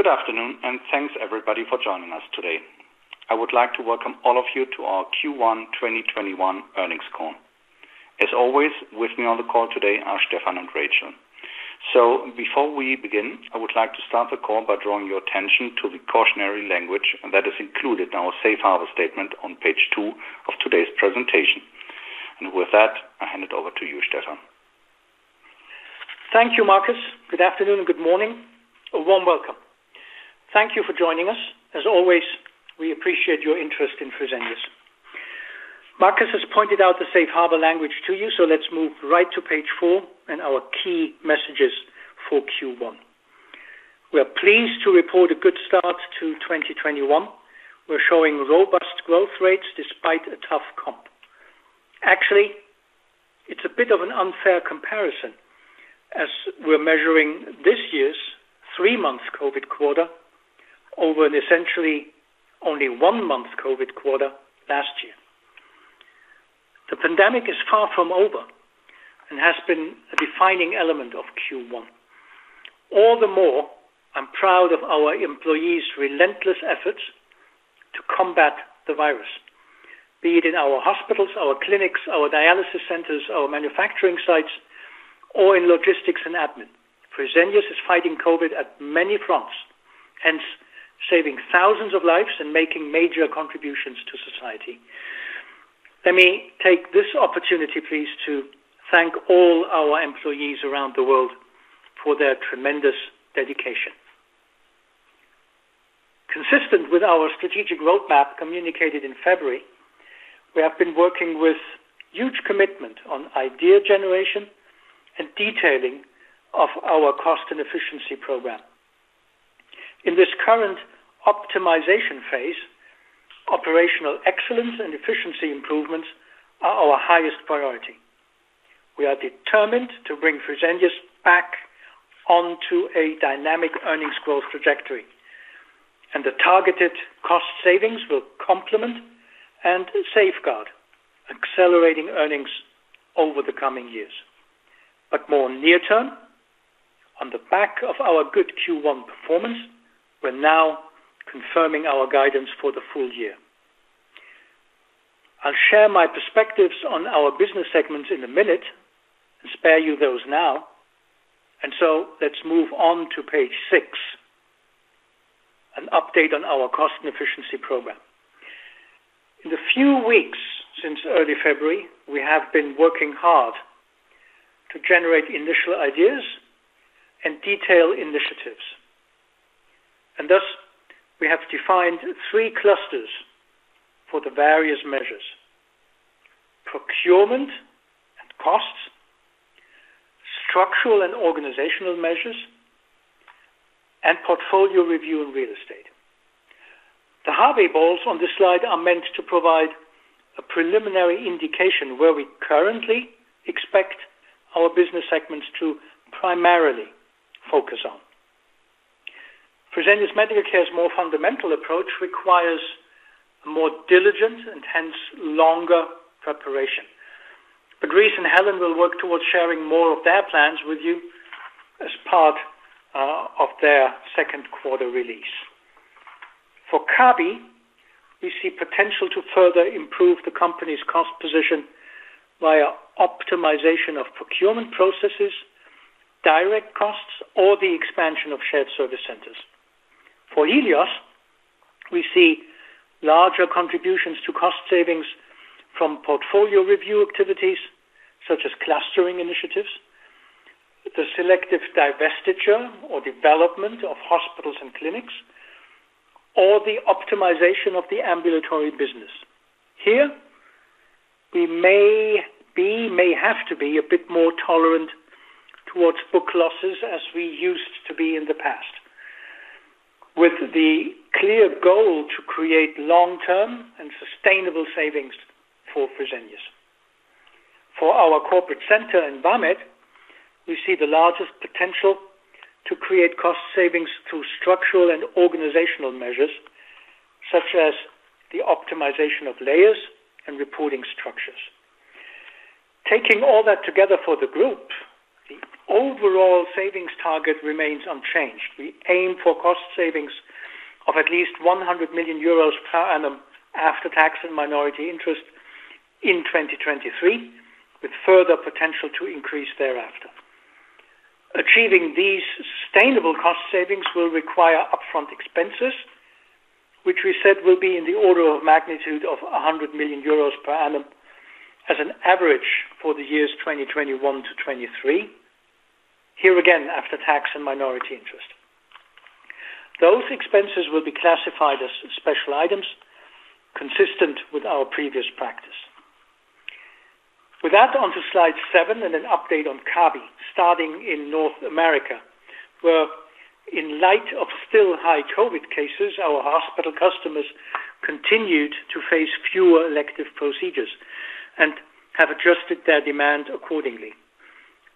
Good afternoon, thanks everybody for joining us today. I would like to welcome all of you to our Q1 2021 earnings call. As always, with me on the call today are Stephan and Rachel. Before we begin, I would like to start the call by drawing your attention to the cautionary language that is included in our safe harbor statement on page two of today's presentation. With that, I hand it over to you, Stephan. Thank you, Markus. Good afternoon and good morning. A warm welcome. Thank you for joining us. As always, we appreciate your interest in Fresenius. Markus has pointed out the safe harbor language to you. Let's move right to page four and our key messages for Q1. We are pleased to report a good start to 2021. We're showing robust growth rates despite a tough comp. Actually, it's a bit of an unfair comparison as we're measuring this year's three-month COVID quarter over an essentially only one-month COVID quarter last year. The pandemic is far from over and has been a defining element of Q1. All the more, I'm proud of our employees' relentless efforts to combat the virus, be it in our hospitals, our clinics, our dialysis centers, our manufacturing sites, or in logistics and admin. Fresenius is fighting COVID at many fronts, hence saving thousands of lives and making major contributions to society. Let me take this opportunity, please, to thank all our employees around the world for their tremendous dedication. Consistent with our strategic roadmap communicated in February, we have been working with huge commitment on idea generation and detailing of our cost and efficiency program. In this current optimization phase, operational excellence and efficiency improvements are our highest priority. We are determined to bring Fresenius back onto a dynamic earnings growth trajectory, and the targeted cost savings will complement and safeguard accelerating earnings over the coming years. More near-term, on the back of our good Q1 performance, we're now confirming our guidance for the full year. I'll share my perspectives on our business segments in a minute and spare you those now. Let's move on to page six, an update on our cost and efficiency program. In the few weeks since early February, we have been working hard to generate initial ideas and detail initiatives. Thus, we have defined three clusters for the various measures. Procurement and costs, structural and organizational measures, and portfolio review and real estate. The Harvey balls on this slide are meant to provide a preliminary indication where we currently expect our business segments to primarily focus on. Fresenius Medical Care's more fundamental approach requires more diligent and hence longer preparation. Rice and Helen will work towards sharing more of their plans with you as part of their second quarter release. For Kabi, we see potential to further improve the company's cost position via optimization of procurement processes, direct costs, or the expansion of shared service centers. For Helios, we see larger contributions to cost savings from portfolio review activities such as clustering initiatives, the selective divestiture or development of hospitals and clinics, or the optimization of the ambulatory business. Here, we may have to be a bit more tolerant towards book losses as we used to be in the past, with the clear goal to create long-term and sustainable savings for Fresenius. For our corporate center in Vamed, we see the largest potential to create cost savings through structural and organizational measures, such as the optimization of layers and reporting structures. Taking all that together for the group, the overall savings target remains unchanged. We aim for cost savings of at least 100 million euros per annum after tax and minority interest in 2023, with further potential to increase thereafter. Achieving these sustainable cost savings will require upfront expenses, which we said will be in the order of magnitude of 100 million euros per annum as an average for the years 2021 to 2023. Here again, after tax and minority interest. Those expenses will be classified as special items consistent with our previous practice. With that, on to slide seven and an update on Kabi. Starting in North America, where in light of still high COVID cases, our hospital customers continued to face fewer elective procedures and have adjusted their demand accordingly.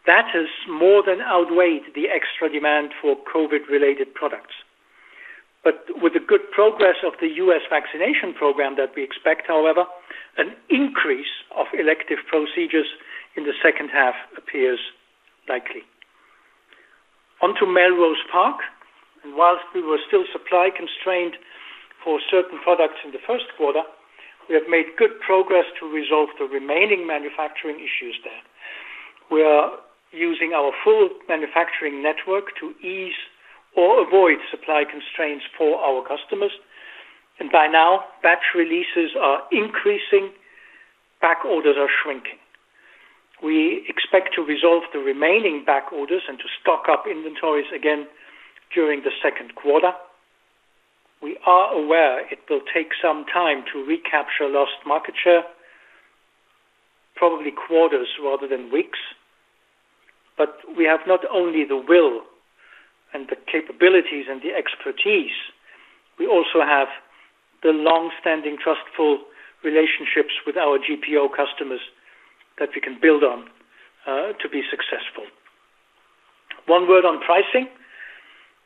That has more than outweighed the extra demand for COVID-related products. With the good progress of the U.S. vaccination program that we expect, however, an increase of elective procedures in the second half appears likely. On to Melrose Park. Whilst we were still supply constrained for certain products in the first quarter, we have made good progress to resolve the remaining manufacturing issues there. We are using our full manufacturing network to ease or avoid supply constraints for our customers. By now, batch releases are increasing, back orders are shrinking. We expect to resolve the remaining back orders and to stock up inventories again during the second quarter. We are aware it will take some time to recapture lost market share, probably quarters rather than weeks. We have not only the will and the capabilities and the expertise, we also have the longstanding trustful relationships with our GPO customers that we can build on to be successful. One word on pricing.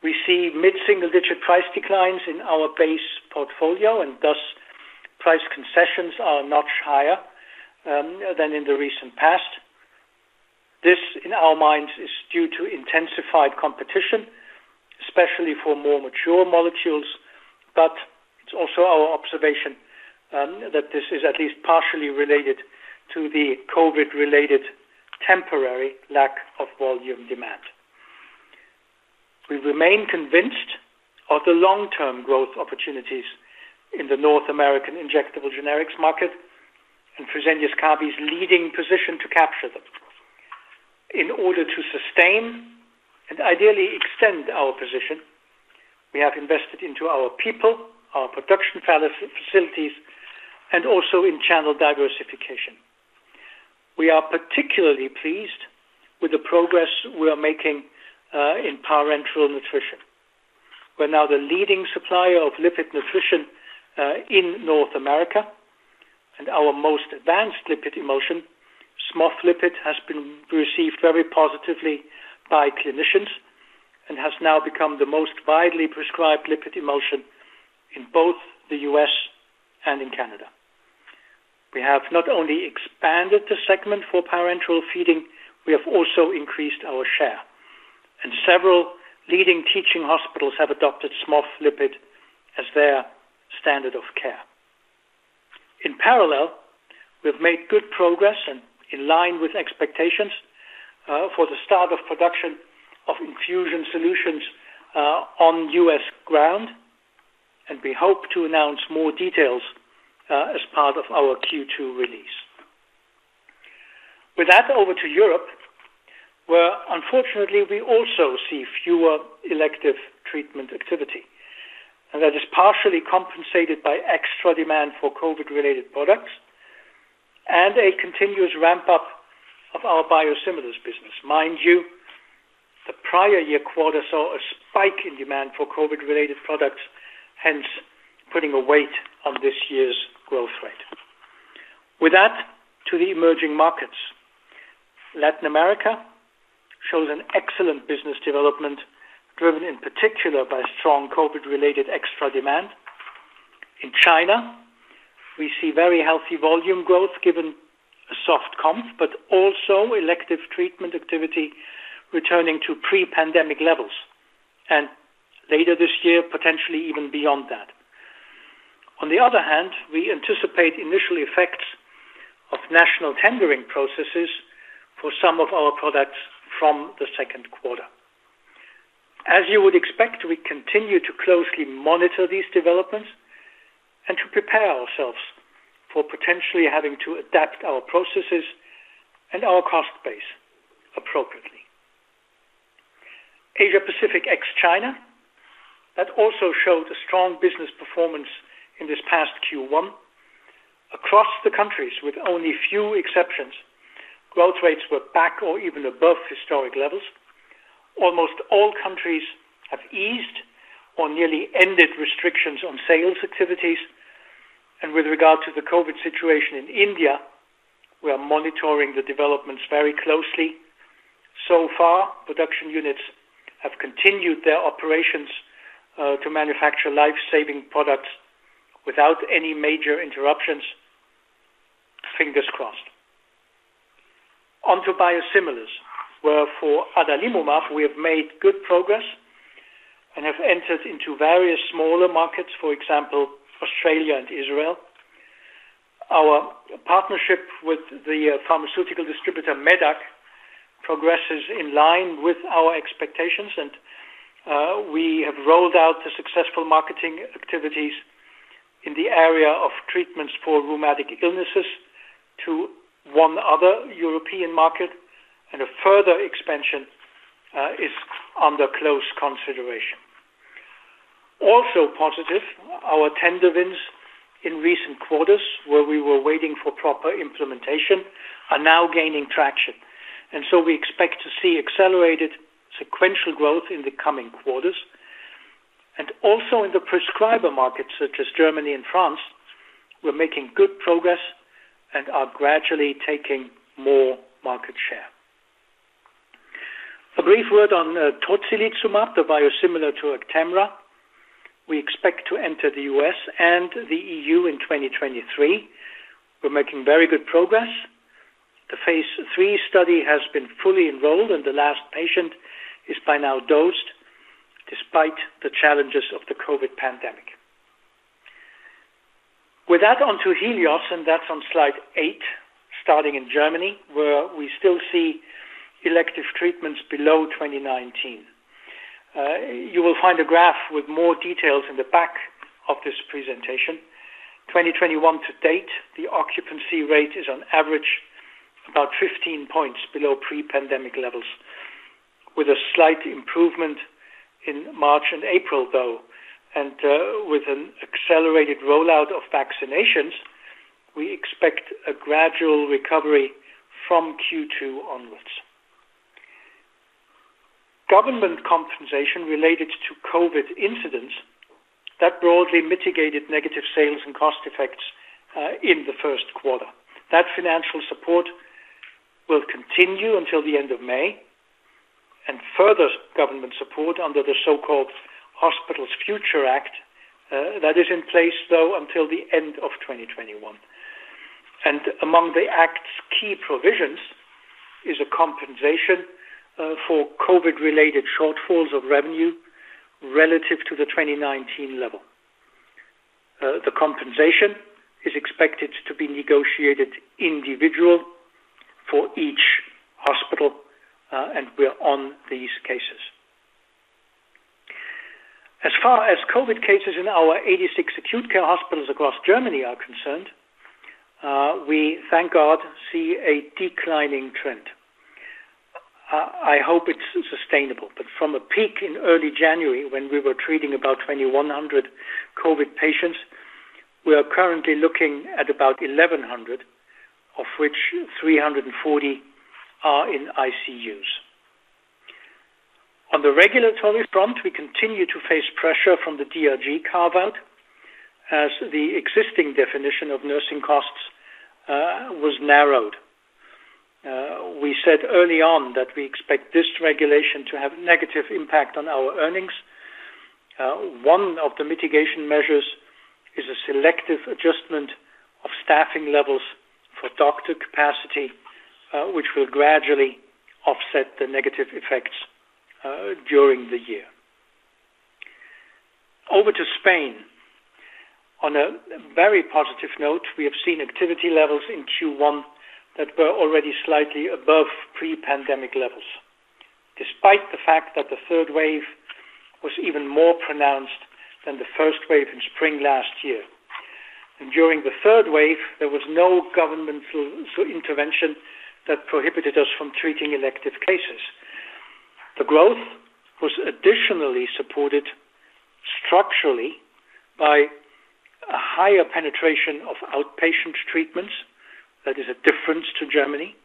We see mid-single-digit price declines in our base portfolio, and thus price concessions are a notch higher than in the recent past. This, in our minds, is due to intensified competition, especially for more mature molecules, but it's also our observation that this is at least partially related to the COVID-related temporary lack of volume demand. We remain convinced of the long-term growth opportunities in the North American injectable generics market and Fresenius Kabi's leading position to capture them. In order to sustain and ideally extend our position, we have invested into our people, our production facilities, and also in channel diversification. We are particularly pleased with the progress we are making in parenteral nutrition. We're now the leading supplier of lipid nutrition in North America, and our most advanced lipid emulsion, SMOFlipid, has been received very positively by clinicians and has now become the most widely prescribed lipid emulsion in both the U.S. and in Canada. We have not only expanded the segment for parenteral feeding, we have also increased our share. Several leading teaching hospitals have adopted SMOFlipid as their standard of care. In parallel, we've made good progress and in line with expectations for the start of production of infusion solutions on U.S. ground, we hope to announce more details as part of our Q2 release. With that, over to Europe, where unfortunately we also see fewer elective treatment activity. That is partially compensated by extra demand for COVID-related products and a continuous ramp-up of our biosimilars business. Mind you, the prior year quarter saw a spike in demand for COVID-related products, hence putting a weight on this year's growth rate. With that, to the emerging markets. Latin America shows an excellent business development, driven in particular by strong COVID-related extra demand. In China, we see very healthy volume growth given a soft comp, but also elective treatment activity returning to pre-pandemic levels. Later this year, potentially even beyond that. On the other hand, we anticipate initial effects of national tendering processes for some of our products from the second quarter. As you would expect, we continue to closely monitor these developments and to prepare ourselves for potentially having to adapt our processes and our cost base appropriately. Asia-Pacific ex-China, that also showed a strong business performance in this past Q1. Across the countries, with only few exceptions, growth rates were back or even above historic levels. Almost all countries have eased or nearly ended restrictions on sales activities. With regard to the COVID situation in India, we are monitoring the developments very closely. Far, production units have continued their operations to manufacture life-saving products without any major interruptions. Fingers crossed. On to biosimilars, where for adalimumab, we have made good progress and have entered into various smaller markets, for example, Australia and Israel. Our partnership with the pharmaceutical distributor, medac, progresses in line with our expectations, and we have rolled out the successful marketing activities in the area of treatments for rheumatic illnesses to one other European market, and a further expansion is under close consideration. Also positive, our tender wins in recent quarters, where we were waiting for proper implementation, are now gaining traction. We expect to see accelerated sequential growth in the coming quarters. In the prescriber markets, such as Germany and France, we're making good progress and are gradually taking more market share. A brief word on tocilizumab, the biosimilar to Actemra. We expect to enter the U.S. and the EU in 2023. We're making very good progress. The phase III study has been fully enrolled, and the last patient is by now dosed despite the challenges of the COVID pandemic. With that, on to Helios, and that's on slide eight, starting in Germany, where we still see elective treatments below 2019. You will find a graph with more details in the back of this presentation. 2021 to date, the occupancy rate is on average about 15 points below pre-pandemic levels, with a slight improvement in March and April, though. With an accelerated rollout of vaccinations, we expect a gradual recovery from Q2 onwards. Government compensation related to COVID incidents that broadly mitigated negative sales and cost effects in the first quarter. That financial support will continue until the end of May. Further government support under the so-called Hospital Future Act, that is in place though until the end of 2021. Among the act's key provisions is a compensation for COVID-related shortfalls of revenue relative to the 2019 level. The compensation is expected to be negotiated individual for each hospital. We are on these cases. As far as COVID cases in our 86 acute care hospitals across Germany are concerned, we, thank God, see a declining trend. I hope it's sustainable. From a peak in early January when we were treating about 2,100 COVID patients, we are currently looking at about 1,100, of which 340 are in ICUs. On the regulatory front, we continue to face pressure from the DRG carve-out as the existing definition of nursing costs was narrowed. We said early on that we expect this regulation to have negative impact on our earnings. One of the mitigation measures is a selective adjustment of staffing levels for doctor capacity, which will gradually offset the negative effects during the year. Over to Spain. On a very positive note, we have seen activity levels in Q1 that were already slightly above pre-pandemic levels, despite the fact that the third wave was even more pronounced than the first wave in spring last year. During the third wave, there was no governmental intervention that prohibited us from treating elective cases. The growth was additionally supported structurally by a higher penetration of outpatient treatments. That is a difference to Germany.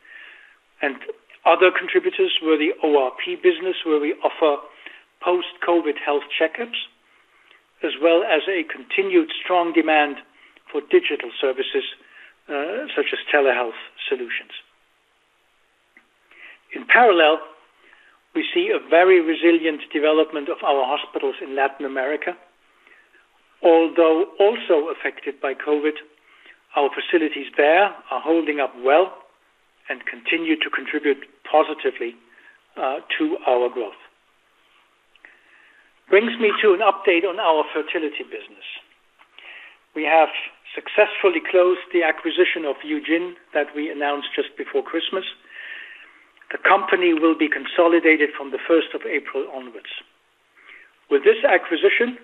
Other contributors were the ORP business, where we offer post-COVID health checkups, as well as a continued strong demand for digital services, such as telehealth solutions. In parallel, we see a very resilient development of our hospitals in Latin America. Although also affected by COVID, our facilities there are holding up well and continue to contribute positively to our growth. Brings me to an update on our fertility business. We have successfully closed the acquisition of Eugin that we announced just before Christmas. The company will be consolidated from the 1st of April onwards. With this acquisition,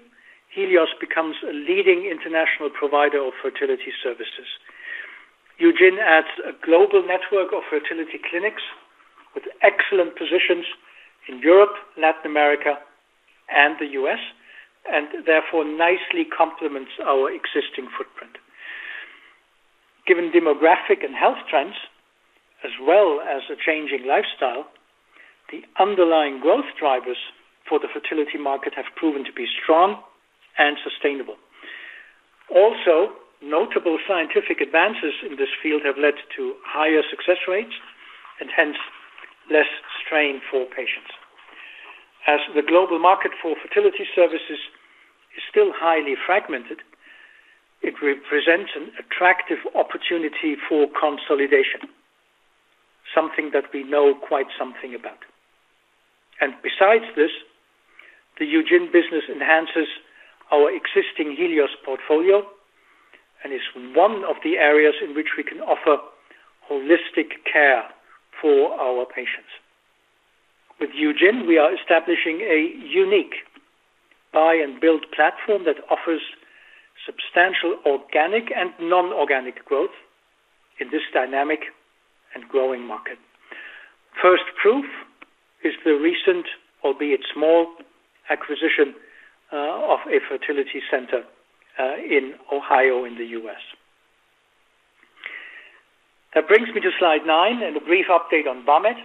Helios becomes a leading international provider of fertility services. Eugin adds a global network of fertility clinics with excellent positions in Europe, Latin America, and the U.S., and therefore nicely complements our existing footprint. Given demographic and health trends, as well as a changing lifestyle, the underlying growth drivers for the fertility market have proven to be strong and sustainable. Also, notable scientific advances in this field have led to higher success rates and hence less strain for patients. As the global market for fertility services is still highly fragmented, it represents an attractive opportunity for consolidation. Something that we know quite something about. Besides this, the Eugin business enhances our existing Helios portfolio and is one of the areas in which we can offer holistic care for our patients. With Eugin, we are establishing a unique buy and build platform that offers substantial organic and non-organic growth in this dynamic and growing market. First proof is the recent, albeit small, acquisition of a fertility center in Ohio in the U.S. That brings me to slide nine and a brief update on Vamed,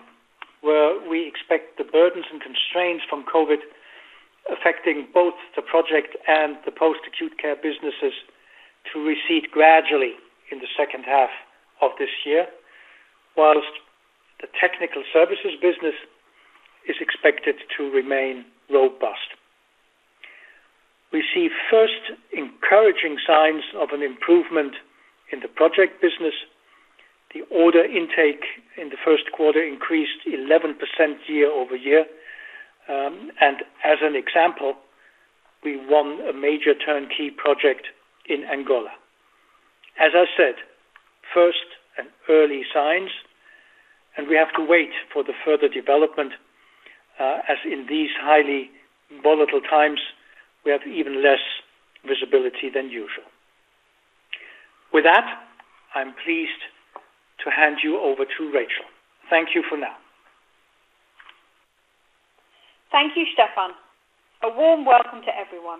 where we expect the burdens and constraints from COVID affecting both the project and the post-acute care businesses to recede gradually in the second half of this year, whilst the technical services business is expected to remain robust. We see first encouraging signs of an improvement in the project business. The order intake in the first quarter increased 11% year-over-year. As an example, we won a major turnkey project in Angola. As I said, first and early signs, we have to wait for the further development, as in these highly volatile times, we have even less visibility than usual. With that, I'm pleased to hand you over to Rachel. Thank you for now. Thank you, Stephan. A warm welcome to everyone.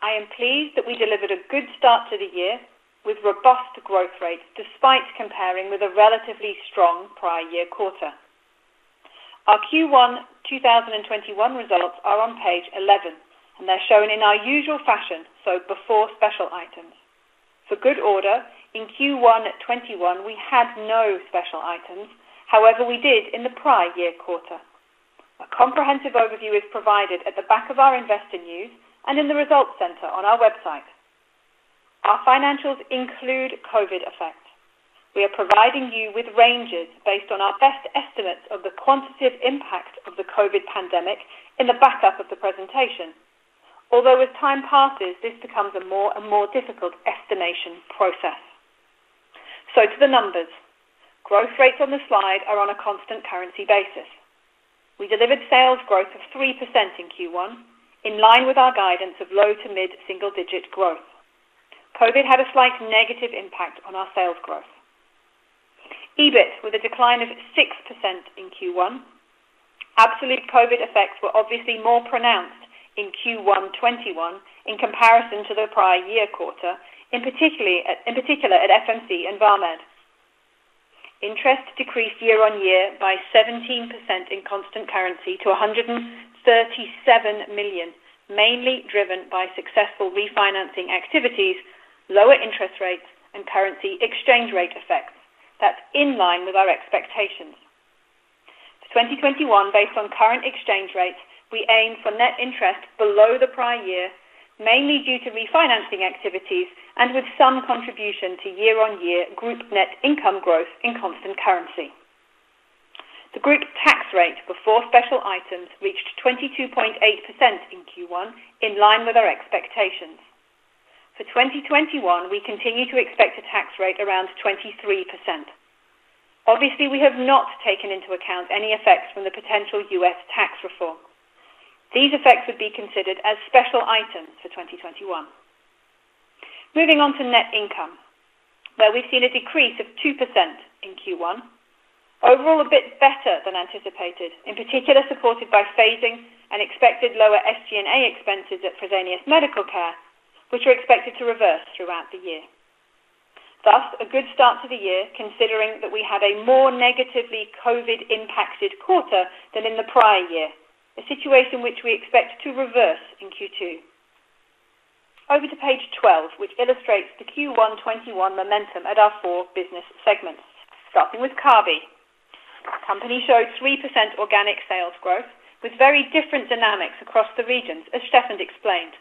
I am pleased that we delivered a good start to the year with robust growth rates despite comparing with a relatively strong prior year quarter. Our Q1 2021 results are on page 11, and they're shown in our usual fashion, so before special items. For good order, in Q1 2021, we had no special items. However, we did in the prior year quarter. A comprehensive overview is provided at the back of our investor news and in the result center on our website. Our financials include COVID effects. We are providing you with ranges based on our best estimates of the quantitative impact of the COVID pandemic in the backup of the presentation. Although with time passes, this becomes a more and more difficult estimation process. To the numbers. Growth rates on the slide are on a constant currency basis. We delivered sales growth of 3% in Q1, in line with our guidance of low to mid single-digit growth. COVID had a slight negative impact on our sales growth. EBIT with a decline of 6% in Q1. Absolute COVID effects were obviously more pronounced in Q1 2021 in comparison to the prior year quarter, in particular at FMC and Vamed. Interest decreased year-on-year by 17% in constant currency to 137 million, mainly driven by successful refinancing activities, lower interest rates, and currency exchange rate effects. That's in line with our expectations. For 2021, based on current exchange rates, we aim for net interest below the prior year, mainly due to refinancing activities and with some contribution to year-on-year group net income growth in constant currency. The group tax rate before special items reached 22.8% in Q1, in line with our expectations. For 2021, we continue to expect a tax rate around 23%. Obviously, we have not taken into account any effects from the potential U.S. tax reform. These effects would be considered as special items for 2021. Moving on to net income, where we've seen a decrease of 2% in Q1. Overall, a bit better than anticipated, in particular supported by phasing and expected lower SG&A expenses at Fresenius Medical Care, which are expected to reverse throughout the year. Thus, a good start to the year considering that we had a more negatively COVID impacted quarter than in the prior year, a situation which we expect to reverse in Q2. Over to page 12, which illustrates the Q1 2021 momentum at our four business segments. Starting with Kabi. Company showed 3% organic sales growth with very different dynamics across the regions, as Stephan explained.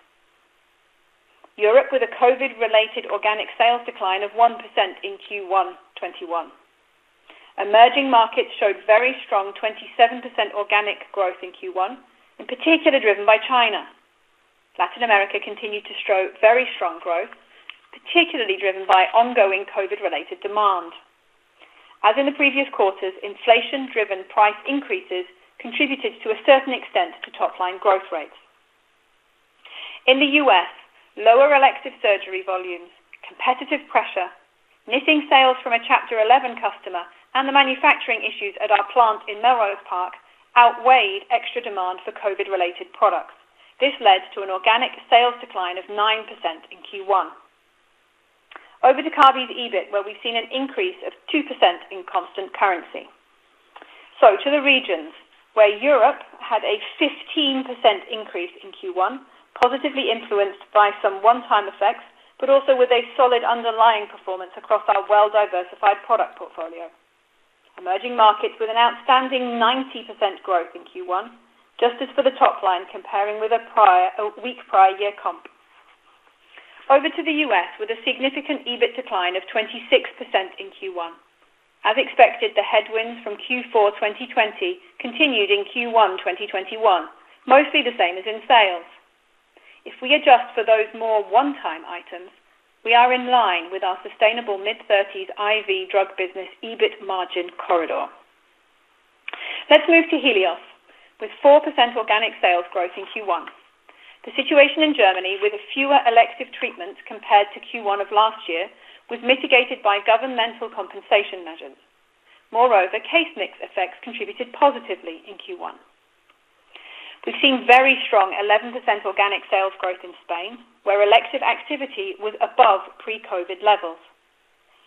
Europe with a COVID-related organic sales decline of 1% in Q1 2021. Emerging markets showed very strong 27% organic growth in Q1, in particular driven by China. Latin America continued to show very strong growth, particularly driven by ongoing COVID-related demand. As in the previous quarters, inflation-driven price increases contributed to a certain extent to top-line growth rates. In the U.S., lower elective surgery volumes, competitive pressure, missing sales from a Chapter 11 customer, and the manufacturing issues at our plant in Melrose Park outweighed extra demand for COVID-related products. This led to an organic sales decline of 9% in Q1. Over to Kabi's EBIT, where we've seen an increase of 2% in constant currency. To the regions where Europe had a 15% increase in Q1, positively influenced by some one-time effects, but also with a solid underlying performance across our well-diversified product portfolio. Emerging markets with an outstanding 90% growth in Q1, just as for the top line, comparing with a weak prior year comp. Over to the U.S. with a significant EBIT decline of 26% in Q1. As expected, the headwinds from Q4 2020 continued in Q1 2021, mostly the same as in sales. If we adjust for those more one-time items, we are in line with our sustainable mid-30s IV drug business EBIT margin corridor. Let's move to Helios, with 4% organic sales growth in Q1. The situation in Germany with fewer elective treatments compared to Q1 of last year was mitigated by governmental compensation measures. Moreover, case mix effects contributed positively in Q1. We've seen very strong 11% organic sales growth in Spain, where elective activity was above pre-COVID levels.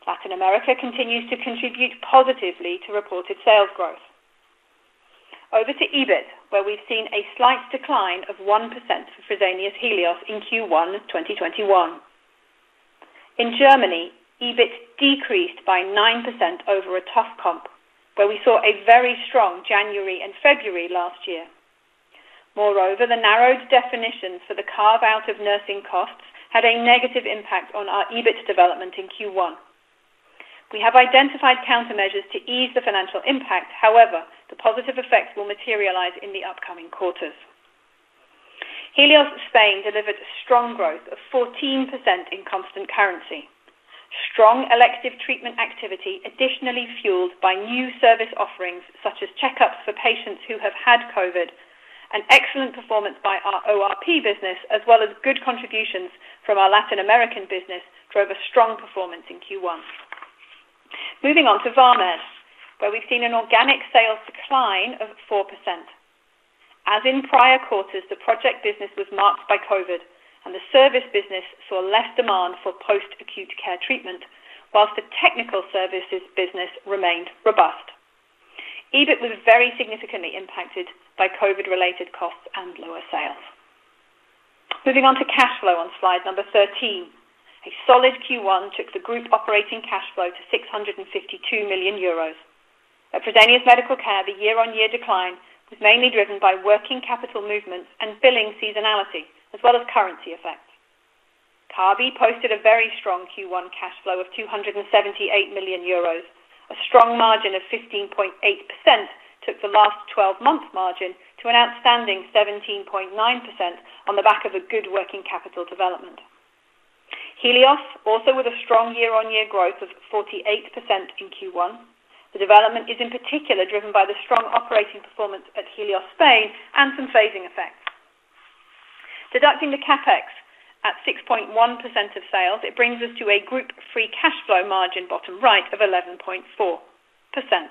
Latin America continues to contribute positively to reported sales growth. Over to EBIT, where we've seen a slight decline of 1% for Fresenius Helios in Q1 2021. In Germany, EBIT decreased by 9% over a tough comp, where we saw a very strong January and February last year. Moreover, the narrowed definition for the carve-out of nursing costs had a negative impact on our EBIT development in Q1. We have identified countermeasures to ease the financial impact. However, the positive effects will materialize in the upcoming quarters. Helios Spain delivered strong growth of 14% in constant currency. Strong elective treatment activity additionally fueled by new service offerings such as checkups for patients who have had COVID, and excellent performance by our ORP business, as well as good contributions from our Latin American business, drove a strong performance in Q1. Moving on to Vamed, where we've seen an organic sales decline of 4%. As in prior quarters, the project business was marked by COVID, and the service business saw less demand for post-acute care treatment, whilst the technical services business remained robust. EBIT was very significantly impacted by COVID-related costs and lower sales. Moving on to cash flow on slide number 13. A solid Q1 took the group operating cash flow to 662 million euros. At Fresenius Medical Care, the year-on-year decline was mainly driven by working capital movements and billing seasonality as well as currency effects. Kabi posted a very strong Q1 cash flow of 278 million euros. A strong margin of 15.8% took the last 12-month margin to an outstanding 17.9% on the back of a good working capital development. Helios, also with a strong year-on-year growth of 48% in Q1. The development is in particular driven by the strong operating performance at Helios Spain and some phasing effects. Deducting the CapEx at 6.1% of sales, it brings us to a group free cash flow margin, bottom right, of 11.4%.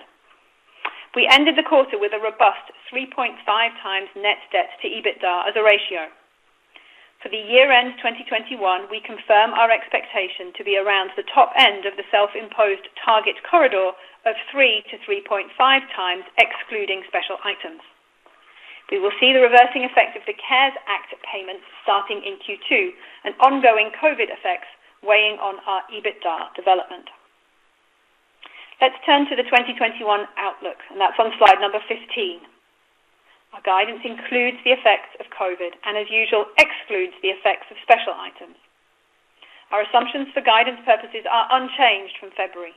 We ended the quarter with a robust 3.5x net debt to EBITDA as a ratio. For the year-end 2021, we confirm our expectation to be around the top end of the self-imposed target corridor of 3x-3.5x excluding special items. We will see the reversing effect of the CARES Act payments starting in Q2 and ongoing COVID effects weighing on our EBITDA development. Let's turn to the 2021 outlook, and that's on slide number 15. Our guidance includes the effects of COVID and as usual excludes the effects of special items. Our assumptions for guidance purposes are unchanged from February.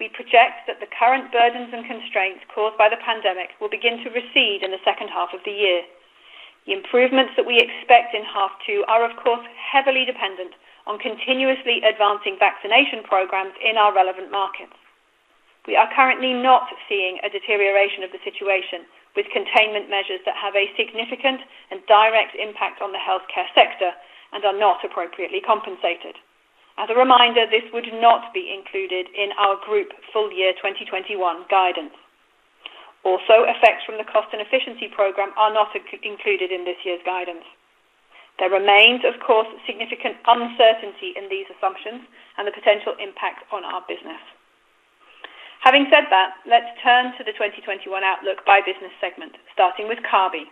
We project that the current burdens and constraints caused by the pandemic will begin to recede in the second half of the year. The improvements that we expect in half two are, of course, heavily dependent on continuously advancing vaccination programs in our relevant markets. We are currently not seeing a deterioration of the situation with containment measures that have a significant and direct impact on the healthcare sector and are not appropriately compensated. As a reminder, this would not be included in our group full year 2021 guidance. Effects from the cost and efficiency program are not included in this year's guidance. There remains, of course, significant uncertainty in these assumptions and the potential impact on our business. Having said that, let's turn to the 2021 outlook by business segment, starting with Kabi.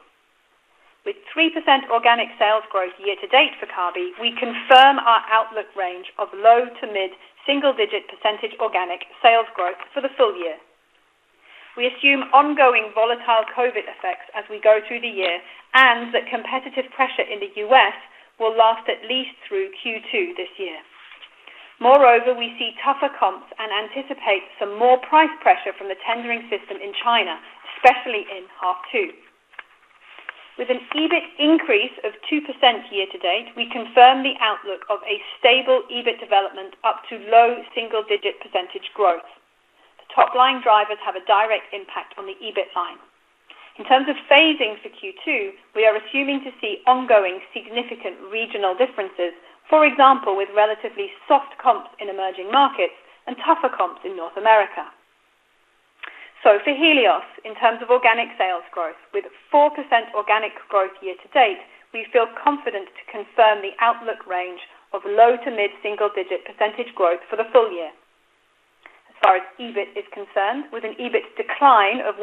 With 3% organic sales growth year-to-date for Kabi, we confirm our outlook range of low to mid-single digit percentage organic sales growth for the full year. We assume ongoing volatile COVID effects as we go through the year, and that competitive pressure in the U.S. will last at least through Q2 this year. Moreover, we see tougher comps and anticipate some more price pressure from the tendering system in China, especially in half two. With an EBIT increase of 2% year-to-date, we confirm the outlook of a stable EBIT development up to low single-digit percentage growth. Top-line drivers have a direct impact on the EBIT line. In terms of phasing for Q2, we are assuming to see ongoing significant regional differences, for example, with relatively soft comps in emerging markets and tougher comps in North America. For Helios, in terms of organic sales growth, with 4% organic growth year-to-date, we feel confident to confirm the outlook range of low to mid-single digit percentage growth for the full year. As far as EBIT is concerned, with an EBIT decline of 1%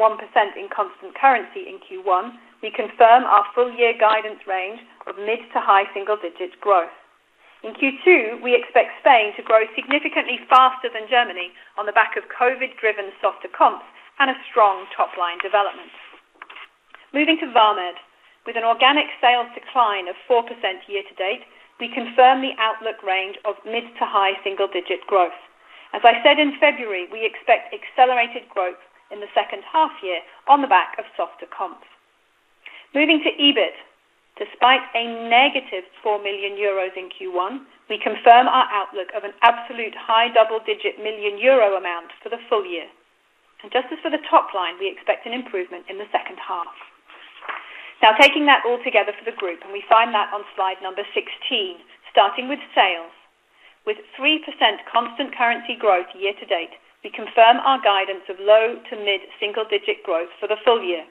in constant currency in Q1, we confirm our full-year guidance range of mid to high single-digit growth. In Q2, we expect Spain to grow significantly faster than Germany on the back of COVID-driven softer comps and a strong top-line development. Moving to Vamed. With an organic sales decline of 4% year-to-date, we confirm the outlook range of mid to high single-digit growth. As I said in February, we expect accelerated growth in the second half year on the back of softer comps. Moving to EBIT. Despite a -4 million euros in Q1, we confirm our outlook of an absolute high double-digit million EUR amount for the full year. Just as for the top line, we expect an improvement in the second half. Now taking that all together for the group, we find that on slide number 16, starting with sales. With 3% constant currency growth year-to-date, we confirm our guidance of low to mid-single digit growth for the full year.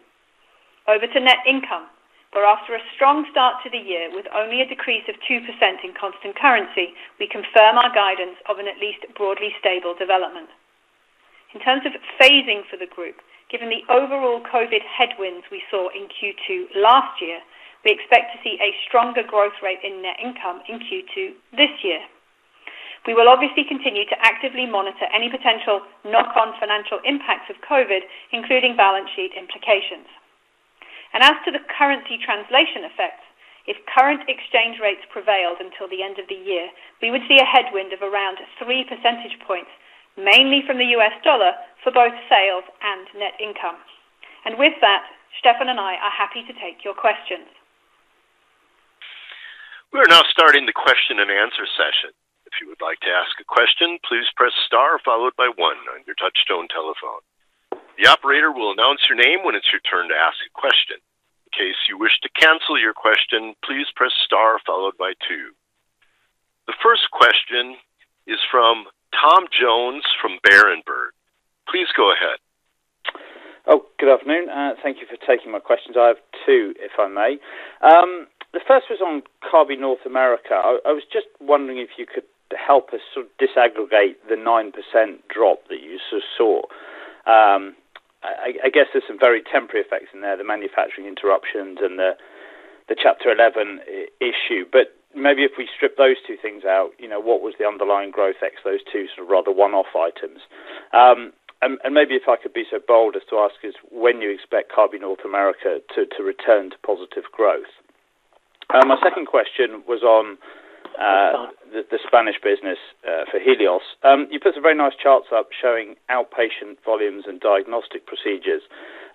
Over to net income. After a strong start to the year with only a decrease of 2% in constant currency, we confirm our guidance of an at least broadly stable development. In terms of phasing for the group, given the overall COVID headwinds we saw in Q2 last year, we expect to see a stronger growth rate in net income in Q2 this year. We will obviously continue to actively monitor any potential knock-on financial impacts of COVID, including balance sheet implications. As to the currency translation effect, if current exchange rates prevailed until the end of the year, we would see a headwind of around three percentage points, mainly from the U.S. dollar, for both sales and net income. With that, Stephan and I are happy to take your questions. We are now starting the question and answer session. If you would like to ask a question, please press star followed by one on your touch-stone telephone. The operator will announce your name when it's your turn to ask a question. In case you wish to cancel your question, please press star followed by two. The first question is from Tom Jones from Berenberg. Please go ahead. Good afternoon. Thank you for taking my questions. I have two, if I may. The first was on Kabi North America. I was just wondering if you could help us disaggregate the 9% drop that you saw. I guess there's some very temporary effects in there, the manufacturing interruptions and the Chapter 11 issue. Maybe if we strip those two things out, what was the underlying growth ex those two sort of rather one-off items? Maybe if I could be so bold as to ask is, when do you expect Kabi North America to return to positive growth? My second question was on the Spanish business for Helios. You put some very nice charts up showing outpatient volumes and diagnostic procedures.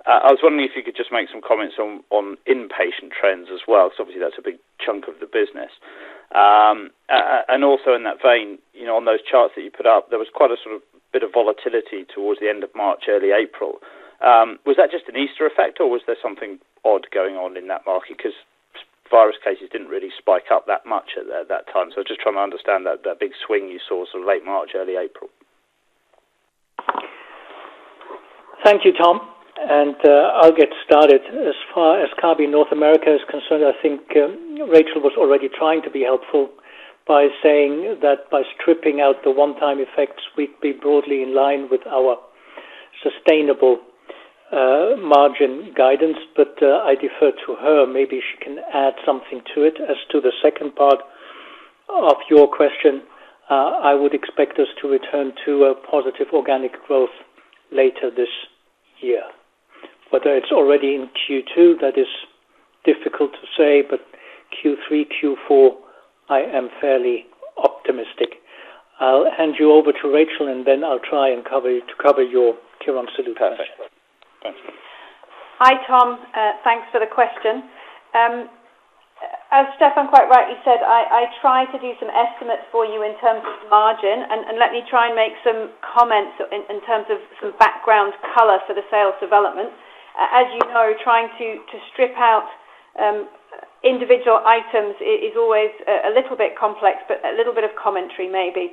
I was wondering if you could just make some comments on inpatient trends as well, because obviously that's a big chunk of the business. Also in that vein, on those charts that you put up, there was quite a sort of bit of volatility towards the end of March, early April. Was that just an Easter effect or was there something odd going on in that market? Virus cases didn't really spike up that much at that time. I was just trying to understand that big swing you saw sort of late March, early April. Thank you, Tom. I'll get started. As far as Kabi North America is concerned, I think Rachel was already trying to be helpful by saying that by stripping out the one-time effects, we'd be broadly in line with our sustainable margin guidance. I defer to her. Maybe she can add something to it. As to the second part of your question, I would expect us to return to a positive organic growth later this year. Whether it's already in Q2, that is difficult to say. Q3, Q4, I am fairly optimistic. I'll hand you over to Rachel. I'll try and cover your Quirónsalud question. Perfect. Thank you. Hi, Tom. Thanks for the question. As Stephan quite rightly said, I tried to do some estimates for you in terms of margin, let me try and make some comments in terms of some background color for the sales development. As you know, trying to strip out individual items is always a little bit complex, a little bit of commentary maybe.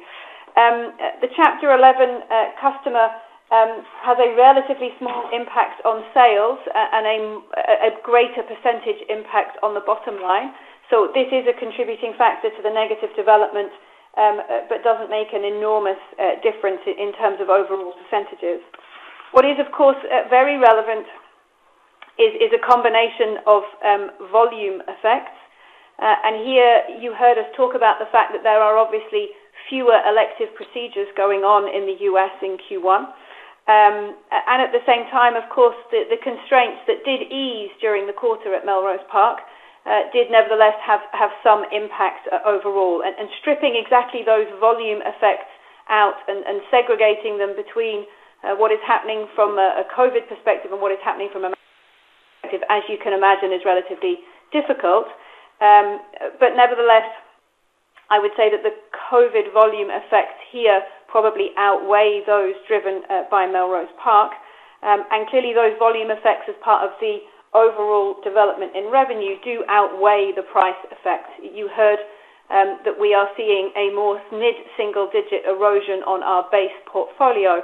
The Chapter 11 customer has a relatively small impact on sales and a greater percentage impact on the bottom line. This is a contributing factor to the negative development, doesn't make an enormous difference in terms of overall percentages. What is, of course, very relevant is a combination of volume effects. Here you heard us talk about the fact that there are obviously fewer elective procedures going on in the U.S. in Q1. At the same time, of course, the constraints that did ease during the quarter at Melrose Park did nevertheless have some impact overall. Stripping exactly those volume effects out and segregating them between what is happening from a COVID perspective and what is happening from a perspective, as you can imagine, is relatively difficult. Nevertheless, I would say that the COVID volume effects here probably outweigh those driven by Melrose Park. Clearly those volume effects as part of the overall development in revenue do outweigh the price effects. You heard that we are seeing a more mid-single digit erosion on our base portfolio.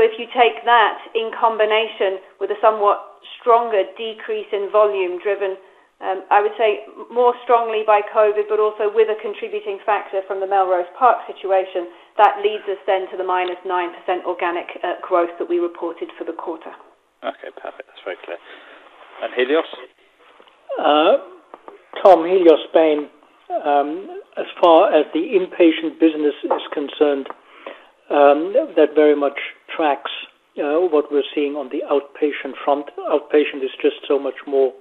If you take that in combination with a somewhat stronger decrease in volume driven, I would say more strongly by COVID, but also with a contributing factor from the Melrose Park situation, that leads us then to the -9% organic growth that we reported for the quarter. Okay, perfect. That's very clear. Helios? Tom, Helios Spain, as far as the inpatient business is concerned, that very much tracks what we're seeing on the outpatient front. Outpatient is just so much more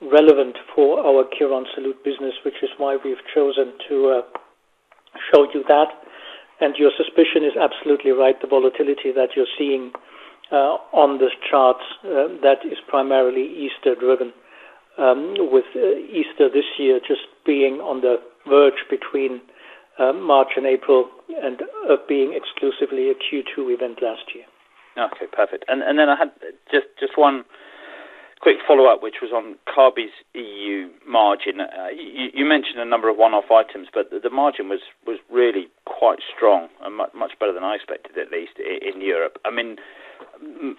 relevant for our Quirónsalud business, which is why we've chosen to show you that. Your suspicion is absolutely right. The volatility that you're seeing on these charts, that is primarily Easter driven, with Easter this year just being on the verge between March and April and being exclusively a Q2 event last year. Okay, perfect. Then I had just one quick follow-up, which was on Kabi's EU margin. You mentioned a number of one-off items, but the margin was really quite strong and much better than I expected, at least in Europe. I mean,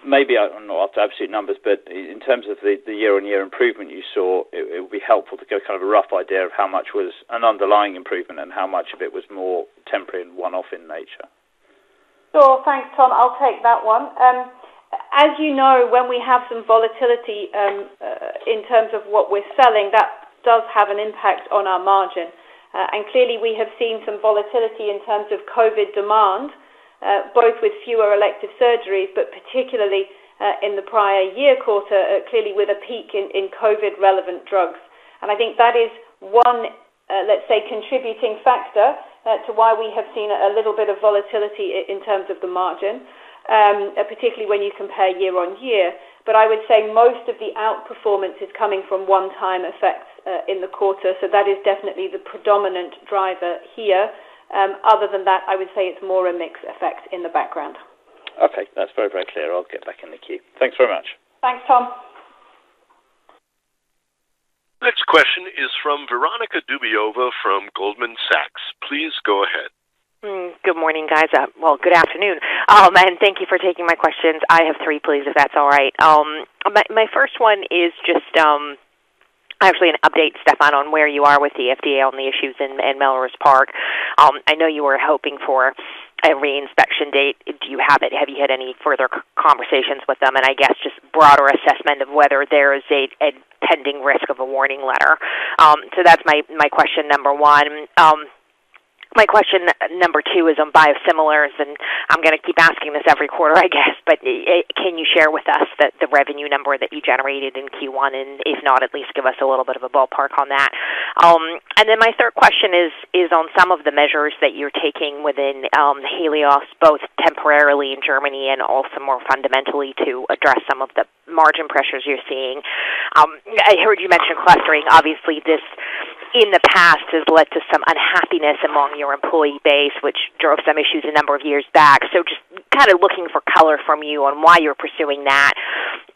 maybe I don't know up to absolute numbers, but in terms of the year-on-year improvement you saw, it would be helpful to get a rough idea of how much was an underlying improvement and how much of it was more temporary and one-off in nature. Sure. Thanks, Tom. I'll take that one. As you know, when we have some volatility, in terms of what we're selling, that does have an impact on our margin. Clearly we have seen some volatility in terms of COVID demand, both with fewer elective surgeries, but particularly, in the prior year quarter, clearly with a peak in COVID relevant drugs. I think that is one, let's say contributing factor to why we have seen a little bit of volatility in terms of the margin, particularly when you compare year-on-year. I would say most of the outperformance is coming from one-time effects in the quarter. That is definitely the predominant driver here. Other than that, I would say it's more a mix effect in the background. Okay. That's very clear. I'll get back in the queue. Thanks very much. Thanks, Tom. Next question is from Veronika Dubajova from Goldman Sachs. Please go ahead. Good morning, guys. Well, good afternoon. Thank you for taking my questions. I have three please, if that's all right. My first one is just actually an update, Stephan, on where you are with the FDA on the issues in Melrose Park. I know you were hoping for a re-inspection date. Do you have it? Have you had any further conversations with them? I guess just broader assessment of whether there is a pending risk of a warning letter. That's my question number one. My question number two is on biosimilars, and I'm going to keep asking this every quarter, I guess, but can you share with us the revenue number that you generated in Q1? If not, at least give us a little bit of a ballpark on that. My third question is on some of the measures that you're taking within Helios, both temporarily in Germany and also more fundamentally to address some of the margin pressures you're seeing. I heard you mention clustering. Obviously this, in the past, has led to some unhappiness among your employee base, which drove some issues a number of years back. Just looking for color from you on why you're pursuing that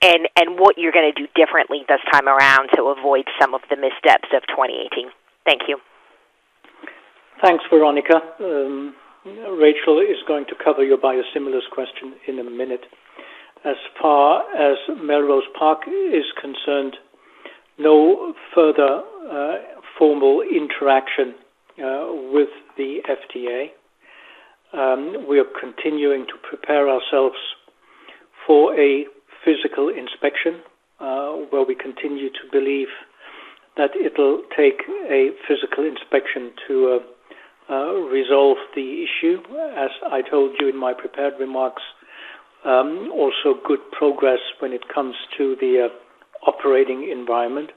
and what you're going to do differently this time around to avoid some of the missteps of 2018. Thank you. Thanks, Veronika. Rachel is going to cover your biosimilars question in a minute. As far as Melrose Park is concerned, no further formal interaction with the FDA. We are continuing to prepare ourselves for a physical inspection. While we continue to believe that it'll take a physical inspection to resolve the issue, as I told you in my prepared remarks, also good progress when it comes to the operating environment.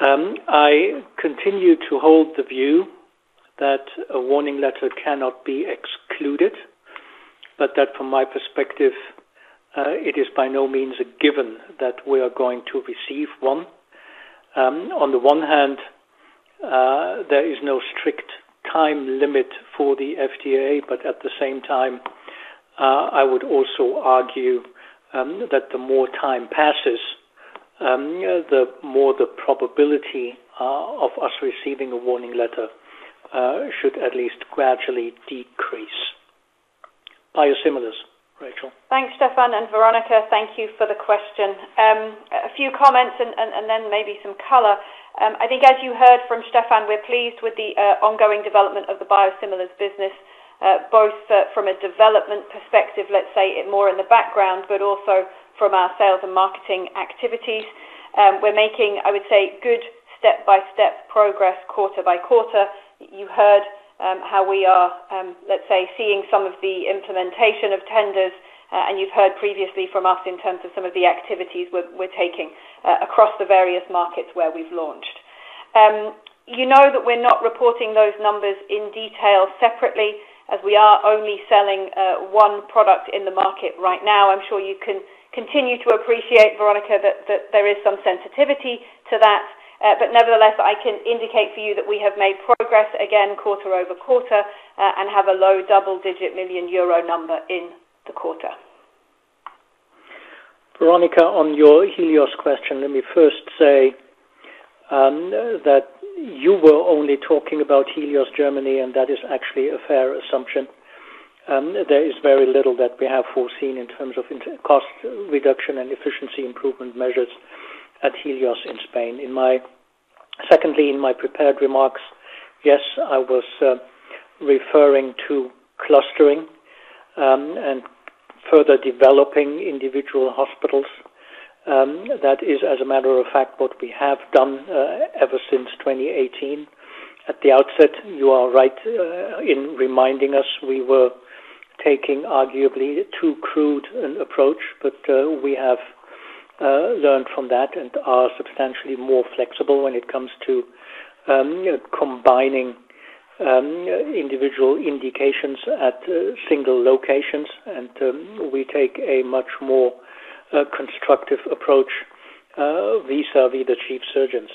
I continue to hold the view that a warning letter cannot be excluded, but that from my perspective, it is by no means a given that we are going to receive one. On the one hand, there is no strict time limit for the FDA, but at the same time, I would also argue that the more time passes, the more the probability of us receiving a warning letter should at least gradually decrease. Biosimilars, Rachel. Thanks, Stephan, and Veronika, thank you for the question. A few comments and then maybe some color. I think as you heard from Stephan, we're pleased with the ongoing development of the biosimilars business, both from a development perspective, let's say, more in the background, but also from our sales and marketing activities. We're making, I would say, good step-by-step progress quarter by quarter. You heard how we are, let's say, seeing some of the implementation of tenders, and you've heard previously from us in terms of some of the activities we're taking across the various markets where we've launched. You know that we're not reporting those numbers in detail separately as we are only selling one product in the market right now. I'm sure you can continue to appreciate, Veronika, that there is some sensitivity to that. Nevertheless, I can indicate for you that we have made progress again quarter-over-quarter, and have a low double-digit million EUR number in the quarter. Veronika, on your Helios question, let me first say that you were only talking about Helios Germany. That is actually a fair assumption. There is very little that we have foreseen in terms of cost reduction and efficiency improvement measures at Helios Spain. Secondly, in my prepared remarks, yes, I was referring to clustering, and further developing individual hospitals. That is, as a matter of fact, what we have done ever since 2018. At the outset, you are right in reminding us, we were taking arguably too crude an approach. We have learned from that and are substantially more flexible when it comes to combining individual indications at single locations. We take a much more constructive approach vis-à-vis the chief surgeons.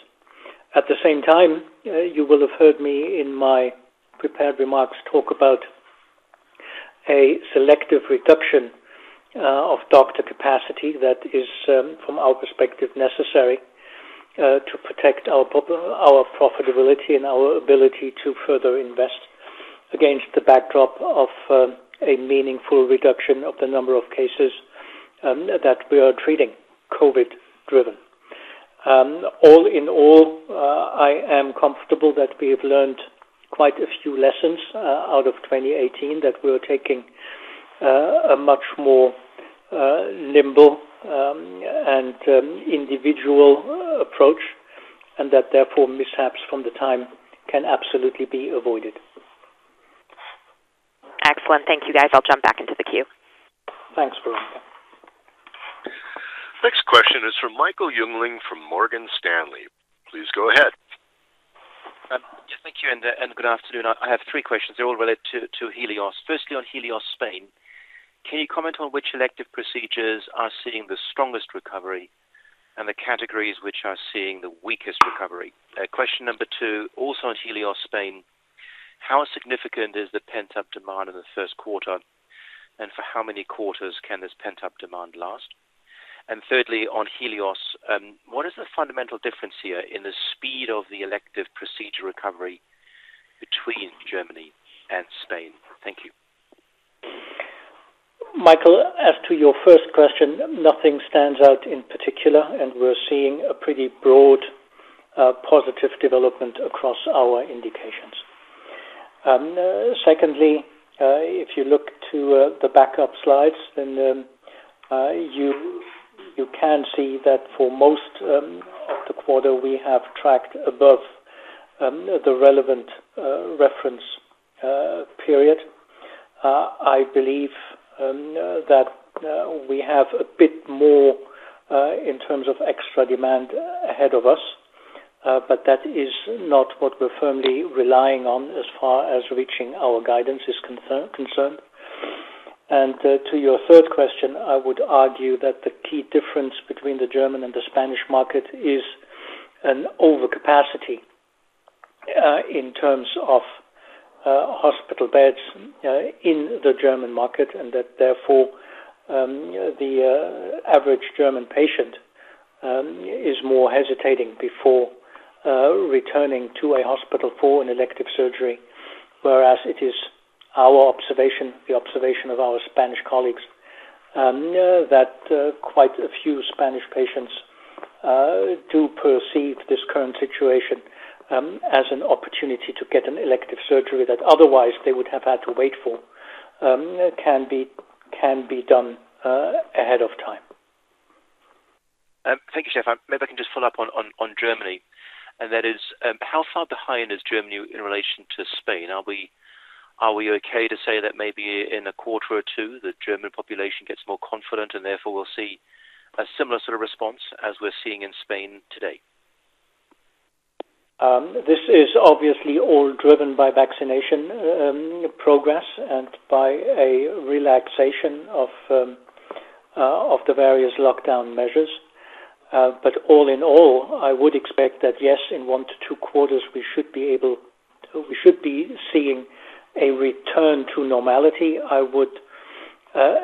At the same time, you will have heard me in my prepared remarks talk about a selective reduction of doctor capacity that is, from our perspective, necessary to protect our profitability and our ability to further invest. Against the backdrop of a meaningful reduction of the number of cases that we are treating COVID driven. All in all, I am comfortable that we have learned quite a few lessons out of 2018, that we are taking a much more nimble and individual approach, and that therefore mishaps from the time can absolutely be avoided. Excellent. Thank you, guys. I'll jump back into the queue. Thanks, Veronika. Next question is from Michael Jüngling from Morgan Stanley. Please go ahead. Yes, thank you, and good afternoon. I have three questions. They all relate to Helios. Firstly, on Helios Spain. Can you comment on which elective procedures are seeing the strongest recovery, and the categories which are seeing the weakest recovery? Question number two, also on Helios Spain. How significant is the pent-up demand in the first quarter, and for how many quarters can this pent-up demand last? Thirdly, on Helios, what is the fundamental difference here in the speed of the elective procedure recovery between Germany and Spain? Thank you. Michael, as to your first question, nothing stands out in particular, and we're seeing a pretty broad, positive development across our indications. Secondly, if you look to the backup slides, then you can see that for most of the quarter, we have tracked above the relevant reference period. I believe that we have a bit more in terms of extra demand ahead of us. That is not what we're firmly relying on as far as reaching our guidance is concerned. To your third question, I would argue that the key difference between the German and the Spanish market is an overcapacity in terms of hospital beds in the German market, and that therefore, the average German patient is more hesitating before returning to a hospital for an elective surgery. Whereas it is our observation, the observation of our Spanish colleagues, that quite a few Spanish patients do perceive this current situation as an opportunity to get an elective surgery that otherwise they would have had to wait for, can be done ahead of time. Thank you, Stephan. Maybe I can just follow up on Germany, and that is, how far behind is Germany in relation to Spain? Are we okay to say that maybe in a quarter or two, the German population gets more confident and therefore we'll see a similar sort of response as we're seeing in Spain today? This is obviously all driven by vaccination progress and by a relaxation of the various lockdown measures. All in all, I would expect that yes, in one to two quarters, we should be seeing a return to normality. I would,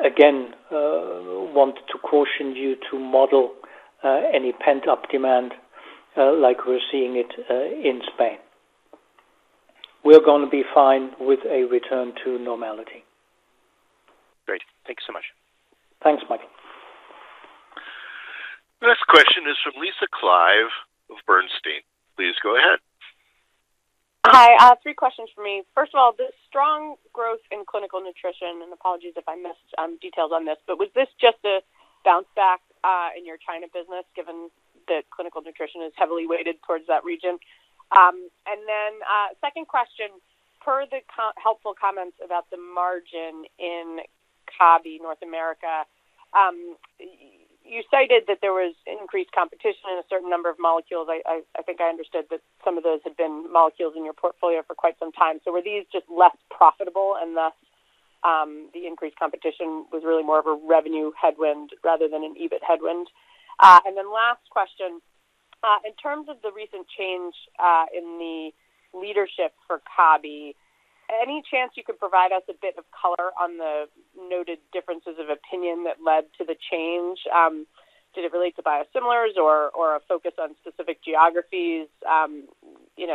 again, want to caution you to model any pent-up demand like we're seeing it in Spain. We're going to be fine with a return to normality. Great. Thank you so much. Thanks, Michael. Next question is from Lisa Clive of Bernstein. Please go ahead. Hi. Three questions from me. First of all, the strong growth in clinical nutrition, and apologies if I missed details on this, but was this just a bounce back in your China business given that clinical nutrition is heavily weighted towards that region? Second question. Per the helpful comments about the margin in Kabi North America. You cited that there was increased competition in a certain number of molecules. I think I understood that some of those had been molecules in your portfolio for quite some time. Were these just less profitable and thus, the increased competition was really more of a revenue headwind rather than an EBIT headwind? Last question. In terms of the recent change in the leadership for Kabi, any chance you could provide us a bit of color on the noted differences of opinion that led to the change? Did it relate to biosimilars or a focus on specific geographies?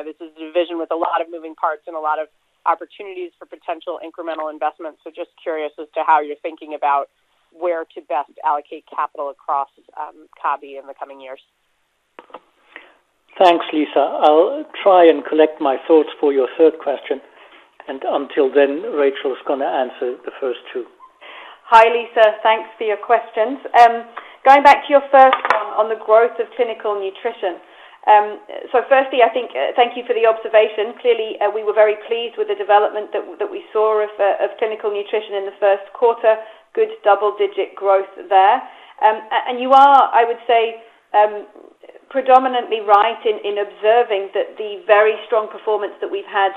This is a division with a lot of moving parts and a lot of opportunities for potential incremental investments. Just curious as to how you're thinking about where to best allocate capital across Kabi in the coming years. Thanks, Lisa. I'll try and collect my thoughts for your third question, and until then, Rachel is going to answer the first two. Hi, Lisa. Thanks for your questions. Going back to your first one on the growth of clinical nutrition. Firstly, thank you for the observation. Clearly, we were very pleased with the development that we saw of clinical nutrition in the first quarter. Good double-digit growth there. You are predominantly right in observing that the very strong performance that we've had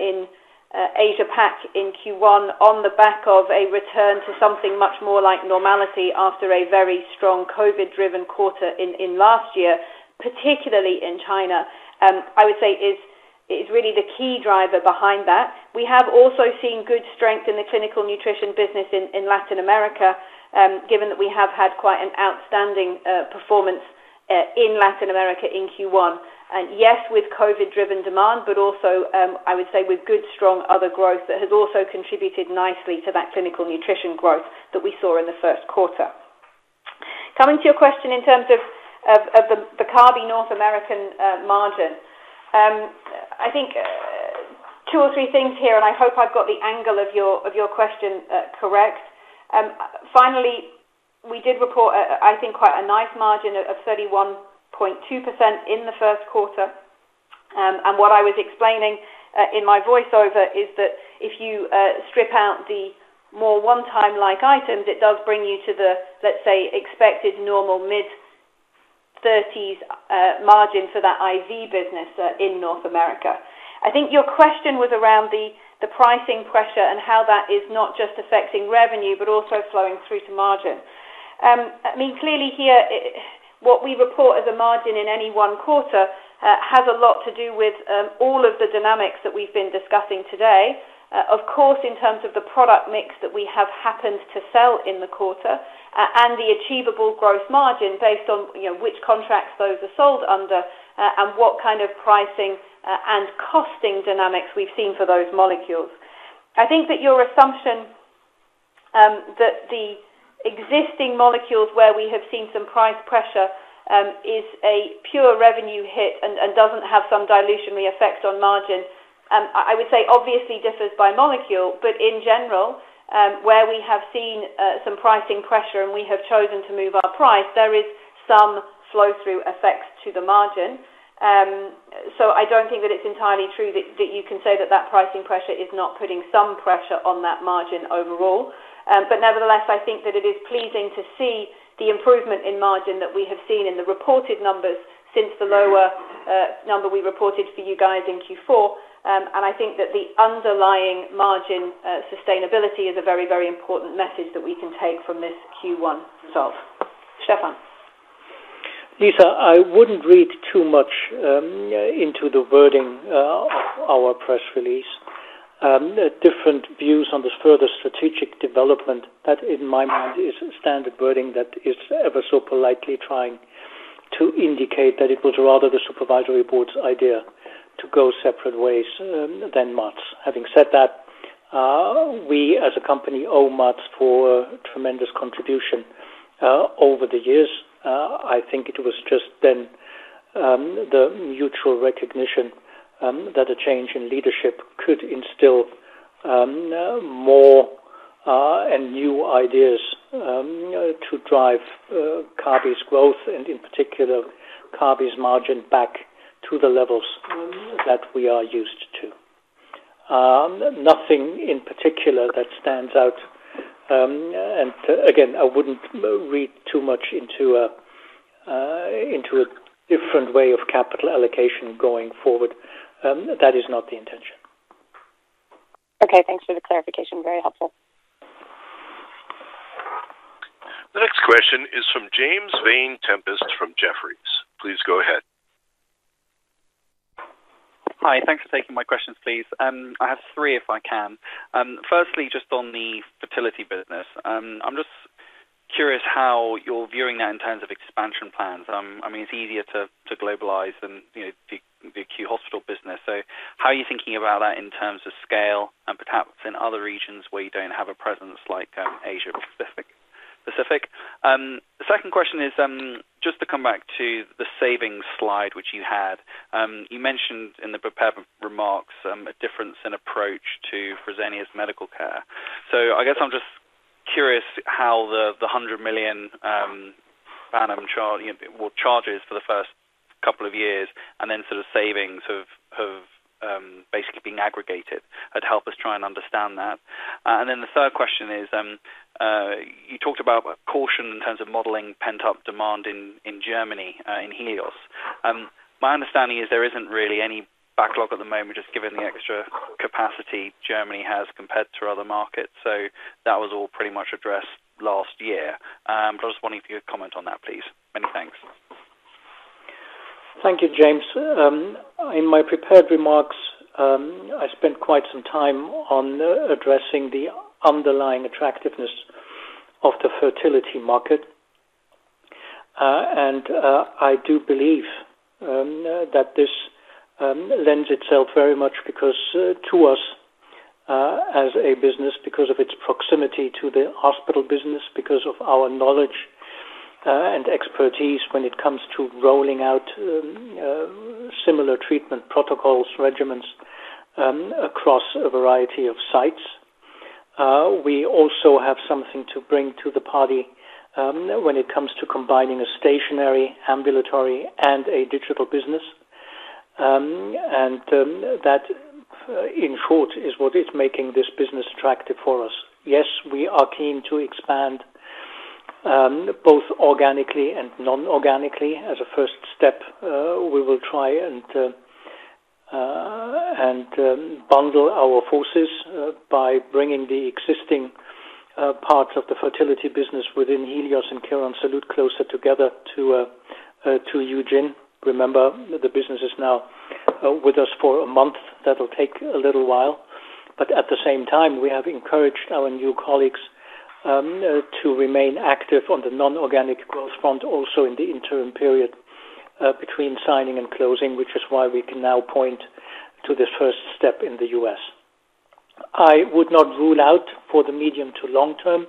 in Asia-Pac in Q1 on the back of a return to something much more like normality after a very strong COVID driven quarter in last year, particularly in China. Is really the key driver behind that. We have also seen good strength in the clinical nutrition business in Latin America, given that we have had quite an outstanding performance in Latin America in Q1. Yes, with COVID-driven demand, but also, I would say with good strong other growth that has also contributed nicely to that clinical nutrition growth that we saw in the first quarter. Coming to your question in terms of the Kabi North American margin. I think two or three things here, and I hope I've got the angle of your question correct. We did report, I think, quite a nice margin of 31.2% in the first quarter. What I was explaining in my voiceover is that if you strip out the more one-time like items, it does bring you to the, let's say, expected normal mid-30s margin for that IV business in North America. I think your question was around the pricing pressure and how that is not just affecting revenue, but also flowing through to margin. Clearly here, what we report as a margin in any one quarter, has a lot to do with all of the dynamics that we've been discussing today. Of course, in terms of the product mix that we have happened to sell in the quarter and the achievable gross margin based on which contracts those are sold under, and what kind of pricing and costing dynamics we've seen for those molecules. I think that your assumption that the existing molecules where we have seen some price pressure, is a pure revenue hit and doesn't have some dilutionary effect on margin. I would say obviously differs by molecule, but in general, where we have seen some pricing pressure and we have chosen to move our price, there is some flow-through effects to the margin. I don't think that it's entirely true that you can say that pricing pressure is not putting some pressure on that margin overall. Nevertheless, I think that it is pleasing to see the improvement in margin that we have seen in the reported numbers since the lower number we reported for you guys in Q4. I think that the underlying margin sustainability is a very important message that we can take from this Q1 itself. Stephan. Lisa, I wouldn't read too much into the wording of our press release. Different views on the further strategic development, that in my mind is standard wording that is ever so politely trying to indicate that it was rather the supervisory board's idea to go separate ways than Mats. Having said that, we as a company owe Mats for tremendous contribution over the years. I think it was just then the mutual recognition that a change in leadership could instill more and new ideas to drive Kabi's growth, and in particular, Kabi's margin back to the levels that we are used to. Nothing in particular that stands out. Again, I wouldn't read too much into a different way of capital allocation going forward. That is not the intention. Okay, thanks for the clarification. Very helpful. The next question is from James Vane-Tempest, from Jefferies. Please go ahead. Hi. Thanks for taking my questions, please. I have three if I can. Firstly, just on the fertility business. I am just curious how you are viewing that in terms of expansion plans. It is easier to globalize than the acute hospital business. How are you thinking about that in terms of scale and perhaps in other regions where you do not have a presence like Asia-Pacific? The second question is just to come back to the savings slide which you had. You mentioned in the prepared remarks, a difference in approach to Fresenius Medical Care. I guess I am just curious how the 100 million charges for the first couple of years and then sort of savings of basically being aggregated had helped us try and understand that. The third question is, you talked about caution in terms of modeling pent-up demand in Germany, in Helios. My understanding is there isn't really any backlog at the moment, just given the extra capacity Germany has compared to other markets. That was all pretty much addressed last year. I was wondering if you could comment on that, please. Many thanks. Thank you, James. In my prepared remarks, I spent quite some time on addressing the underlying attractiveness of the fertility market. I do believe that this lends itself very much to us as a business because of its proximity to the hospital business, because of our knowledge and expertise when it comes to rolling out similar treatment protocols, regimens, across a variety of sites. We also have something to bring to the party when it comes to combining a stationary, ambulatory, and a digital business. That, in short, is what is making this business attractive for us. Yes, we are keen to expand, both organically and non-organically as a first step. We will try and bundle our forces by bringing the existing parts of the fertility business within Helios and Quirónsalud closer together to Eugin. Remember, the business is now with us for a month. That'll take a little while. At the same time, we have encouraged our new colleagues to remain active on the non-organic growth front, also in the interim period between signing and closing, which is why we can now point to this first step in the U.S. I would not rule out for the medium to long term,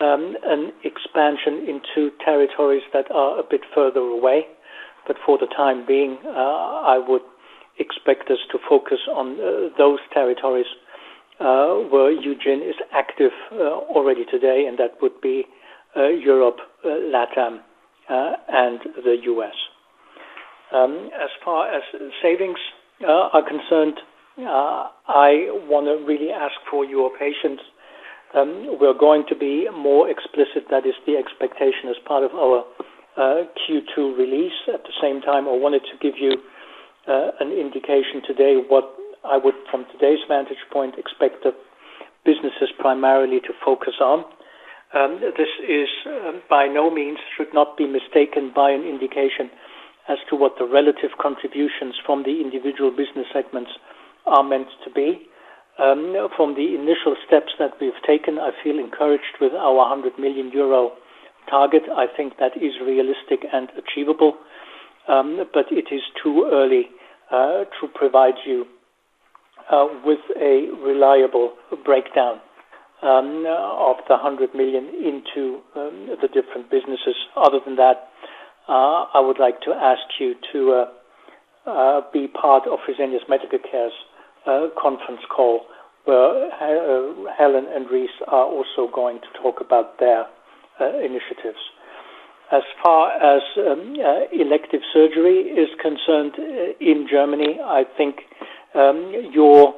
an expansion into territories that are a bit further away. For the time being, I would expect us to focus on those territories where Eugin is active already today, and that would be Europe, LATAM, and the U.S. As far as savings are concerned, I want to really ask for your patience. We're going to be more explicit, that is the expectation as part of our Q2 release. At the same time, I wanted to give you an indication today what I would, from today's vantage point, expect the businesses primarily to focus on. This by no means should not be mistaken by an indication as to what the relative contributions from the individual business segments are meant to be. From the initial steps that we've taken, I feel encouraged with our 100 million euro target. I think that is realistic and achievable. It is too early to provide you with a reliable breakdown of the 100 million into the different businesses. Other than that, I would like to ask you to be part of Fresenius Medical Care's conference call, where Helen and Rice are also going to talk about their initiatives. As far as elective surgery is concerned in Germany, I think your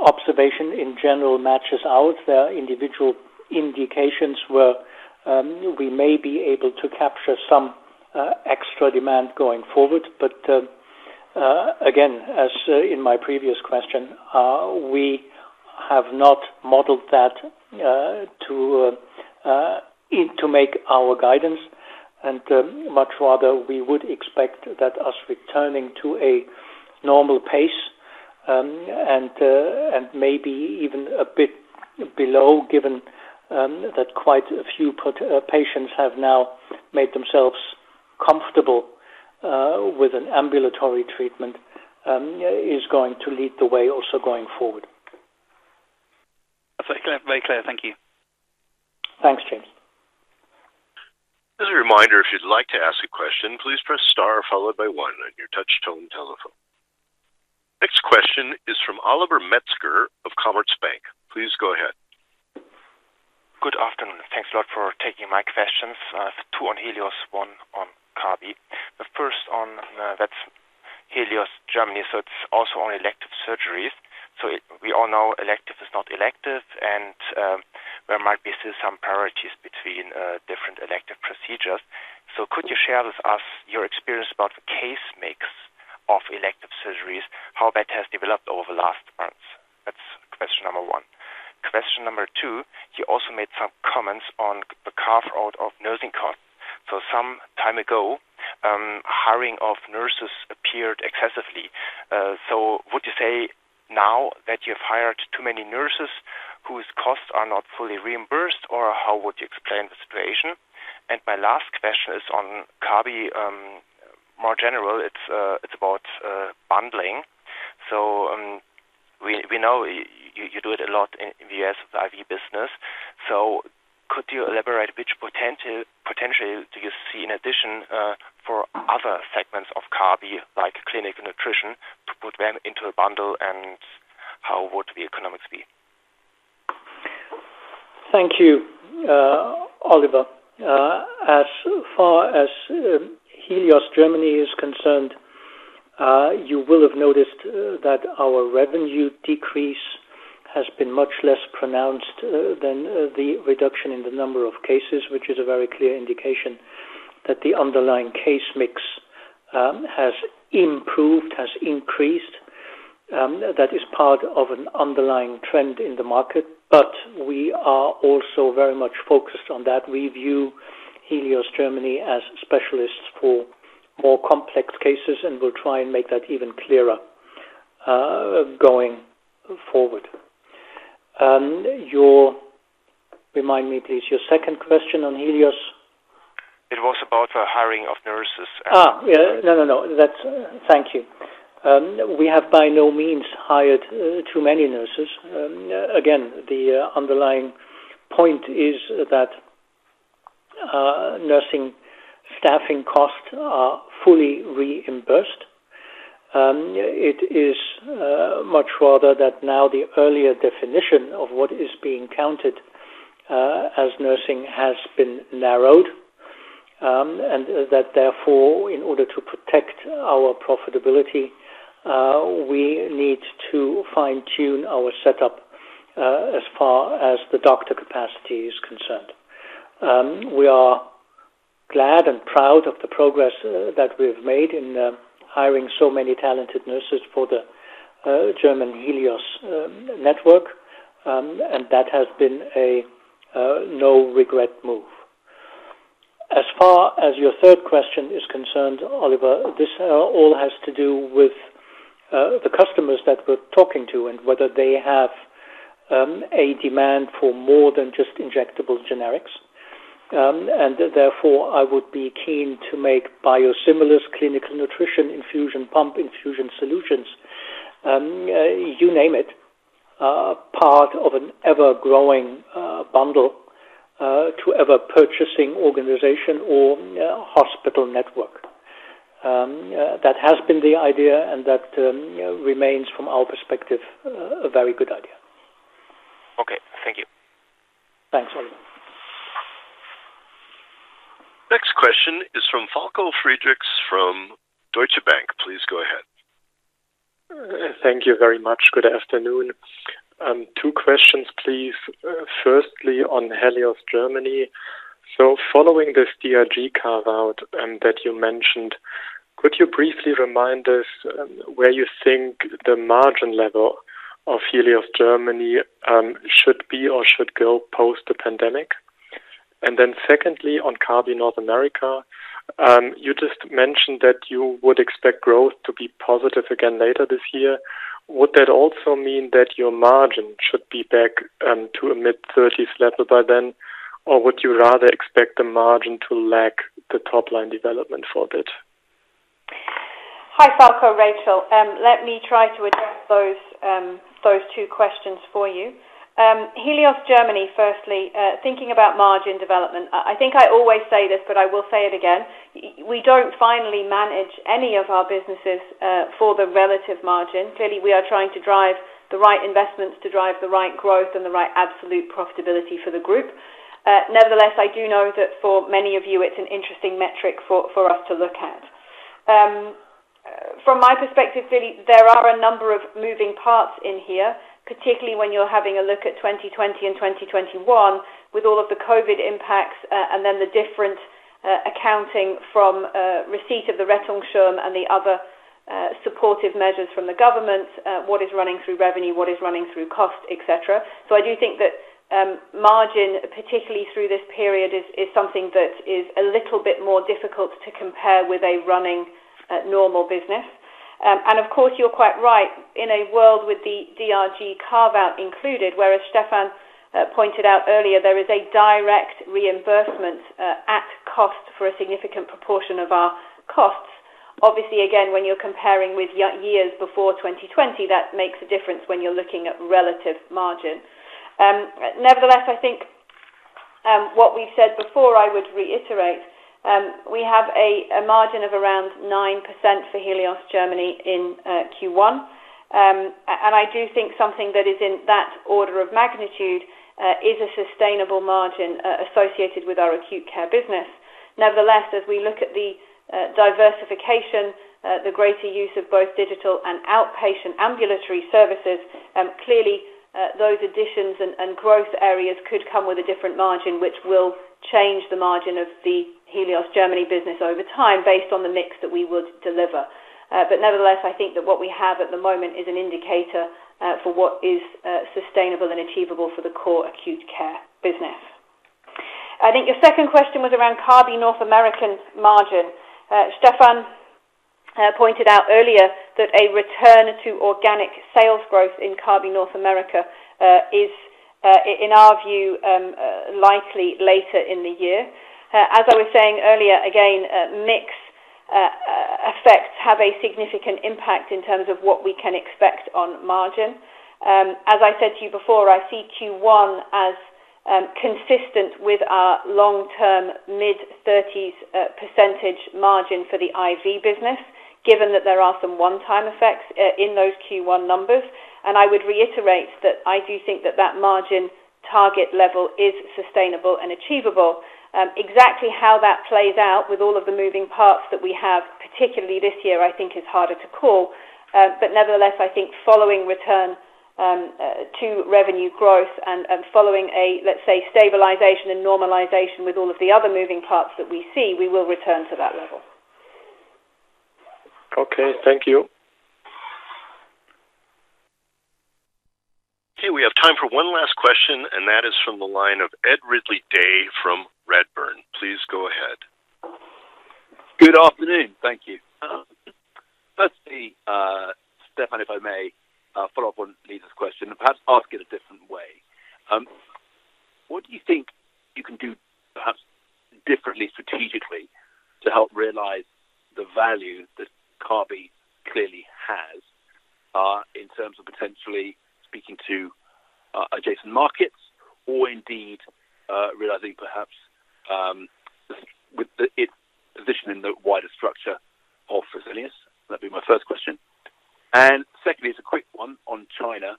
observation in general matches ours. There are individual indications where we may be able to capture some extra demand going forward. Again, as in my previous question, we have not modeled that to make our guidance. Much rather, we would expect that us returning to a normal pace, and maybe even a bit below, given that quite a few patients have now made themselves comfortable with an ambulatory treatment, is going to lead the way also going forward. Very clear. Thank you. Thanks, James. As a reminder, if you'd like to ask a question, please press star followed by one on your touch-tone telephone. Next question is from Oliver Metzger of Commerzbank. Please go ahead. Good afternoon. Thanks a lot for taking my questions. I have two on Helios, one on Kabi. The first on Helios Germany, it's also on elective surgeries. We all know elective is not elective, and there might be still some priorities between different elective procedures. Could you share with us your experience about the case mix of elective surgeries, how that has developed over the last months? That's question number one. Question number two, you also made some comments on the carve-out of nursing costs. Some time ago, hiring of nurses appeared excessive. Would you say now that you've hired too many nurses whose costs are not fully reimbursed, or how would you explain the situation? My last question is on Kabi, more general, it's about bundling. We know you do it a lot in the IV business. Could you elaborate which potential do you see in addition for other segments of Kabi, like clinical nutrition, to put them into a bundle and how would the economics be? Thank you, Oliver. As far as Helios Germany is concerned, you will have noticed that our revenue decrease has been much less pronounced than the reduction in the number of cases, which is a very clear indication that the underlying case mix has improved, has increased. That is part of an underlying trend in the market. We are also very much focused on that. We view Helios Germany as specialists for more complex cases, and we'll try and make that even clearer going forward. Remind me, please, your second question on Helios. It was about the hiring of nurses. No, no. Thank you. We have by no means hired too many nurses. Again, the underlying point is that nursing staffing costs are fully reimbursed. It is much rather that now the earlier definition of what is being counted as nursing has been narrowed, and that therefore, in order to protect our profitability, we need to fine-tune our setup as far as the doctor capacity is concerned. We are glad and proud of the progress that we've made in hiring so many talented nurses for the German Helios network, and that has been a no-regret move. As far as your third question is concerned, Oliver, this all has to do with the customers that we're talking to and whether they have a demand for more than just injectable generics. Therefore, I would be keen to make biosimilars clinical nutrition infusion pump infusion solutions, you name it, part of an ever-growing bundle to every purchasing organization or hospital network. That has been the idea, and that remains, from our perspective, a very good idea. Okay. Thank you. Thanks, Oliver. Next question is from Falko Friedrichs from Deutsche Bank. Please go ahead. Thank you very much. Good afternoon. Two questions, please. Firstly, on Helios Germany. Following this DRG carve-out that you mentioned, could you briefly remind us where you think the margin level of Helios Germany should be or should go post the pandemic? Secondly, on Kabi North America, you just mentioned that you would expect growth to be positive again later this year. Would that also mean that your margin should be back to a mid-30s level by then, or would you rather expect the margin to lag the top-line development for a bit? Hi, Falko. Rachel. Let me try to address those two questions for you. Helios Germany, firstly, thinking about margin development, I think I always say this, I will say it again. We don't finally manage any of our businesses for the relative margin. Clearly, we are trying to drive the right investments to drive the right growth and the right absolute profitability for the group. Nevertheless, I do know that for many of you, it's an interesting metric for us to look at. From my perspective, really, there are a number of moving parts in here, particularly when you're having a look at 2020 and 2021 with all of the COVID impacts and then the different accounting from receipt of the Rettungsschirm and the other supportive measures from the government, what is running through revenue, what is running through cost, et cetera. I do think that margin, particularly through this period, is something that is a little bit more difficult to compare with a running normal business. Of course, you're quite right. In a world with the DRG carve-out included, whereas Stephan pointed out earlier, there is a direct reimbursement at cost for a significant proportion of our costs. Obviously, again, when you're comparing with years before 2020, that makes a difference when you're looking at relative margin. Nevertheless, I think what we've said before, I would reiterate, we have a margin of around 9% for Helios Germany in Q1. I do think something that is in that order of magnitude is a sustainable margin associated with our acute care business. Nevertheless, as we look at the diversification, the greater use of both digital and outpatient ambulatory services, clearly those additions and growth areas could come with a different margin, which will change the margin of the Helios Germany business over time based on the mix that we would deliver. Nevertheless, I think that what we have at the moment is an indicator for what is sustainable and achievable for the core acute care business. I think your second question was around Kabi North American margin. Stephan pointed out earlier that a return to organic sales growth in Kabi North America is, in our view, likely later in the year. As I was saying earlier, again, mix effects have a significant impact in terms of what we can expect on margin. As I said to you before, I see Q1 as consistent with our long-term mid-30% margin for the IV business, given that there are some one-time effects in those Q1 numbers. I would reiterate that I do think that margin target level is sustainable and achievable. Exactly how that plays out with all of the moving parts that we have, particularly this year, I think is harder to call. Nevertheless, I think following return to revenue growth and following a, let's say, stabilization and normalization with all of the other moving parts that we see, we will return to that level. Okay. Thank you. Okay. We have time for one last question, and that is from the line of Ed Ridley-Day from Redburn. Please go ahead. Good afternoon. Thank you. Firstly, Stephan, if I may follow up on Lisa's question and perhaps ask it a different way. What do you think you can do perhaps differently strategically to help realize the value that Kabi clearly has, in terms of potentially speaking to adjacent markets or indeed realizing perhaps with its position in the wider structure of Fresenius? That would be my first question. Secondly, it's a quick one on China.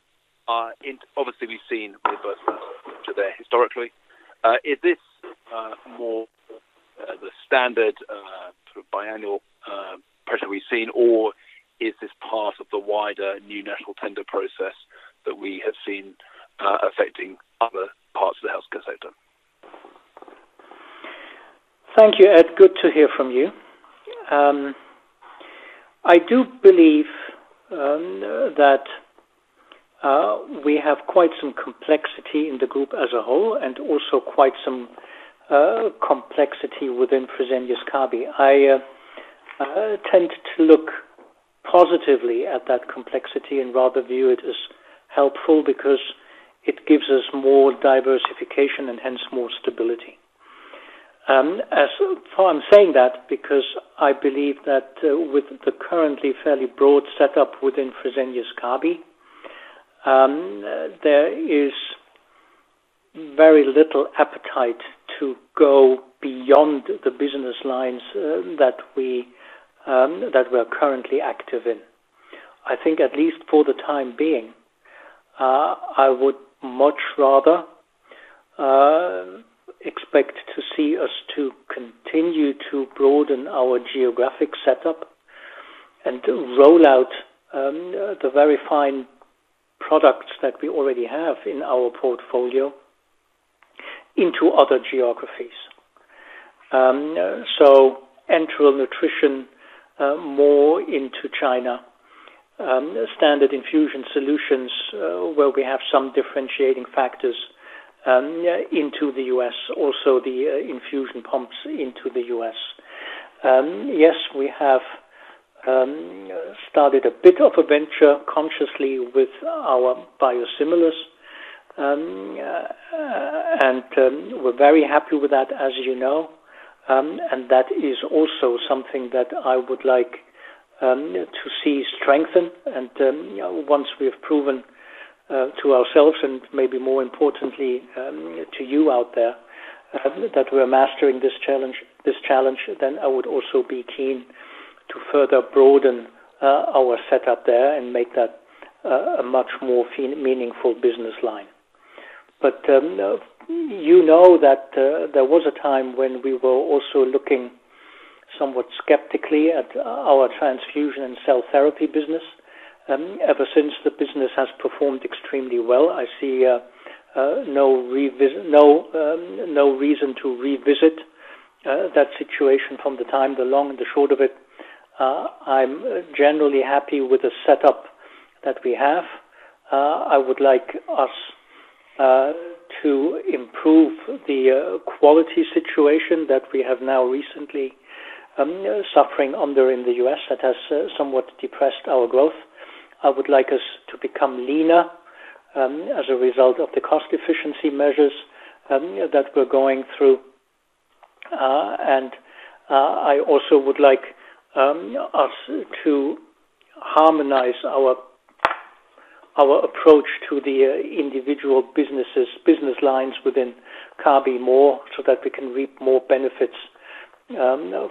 Obviously, we've seen reversals to there historically. Is this more the standard sort of biannual or is this part of the wider new national tender process that we have seen affecting other parts of the healthcare sector? Thank you, Ed. Good to hear from you. I do believe that we have quite some complexity in the group as a whole and also quite some complexity within Fresenius Kabi. I tend to look positively at that complexity and rather view it as helpful because it gives us more diversification and hence more stability. I'm saying that because I believe that with the currently fairly broad setup within Fresenius Kabi, there is very little appetite to go beyond the business lines that we're currently active in. I think at least for the time being, I would much rather expect to see us to continue to broaden our geographic setup and roll out the very fine products that we already have in our portfolio into other geographies. enteral nutrition, more into China. Standard infusion solutions, where we have some differentiating factors, into the U.S., also the infusion pumps into the U.S. We have started a bit of a venture consciously with our biosimilars. We're very happy with that, as you know, that is also something that I would like to see strengthen and then once we have proven to ourselves and maybe more importantly, to you out there, that we're mastering this challenge, then I would also be keen to further broaden our setup there and make that a much more meaningful business line. You know that there was a time when we were also looking somewhat skeptically at our transfusion and cell therapy business. Ever since the business has performed extremely well, I see no reason to revisit that situation from the time, the long and the short of it. I'm generally happy with the setup that we have. I would like us to improve the quality situation that we have now recently suffering under in the U.S. that has somewhat depressed our growth. I would like us to become leaner, as a result of the cost efficiency measures that we're going through. I also would like us to harmonize our approach to the individual business lines within Kabi more so that we can reap more benefits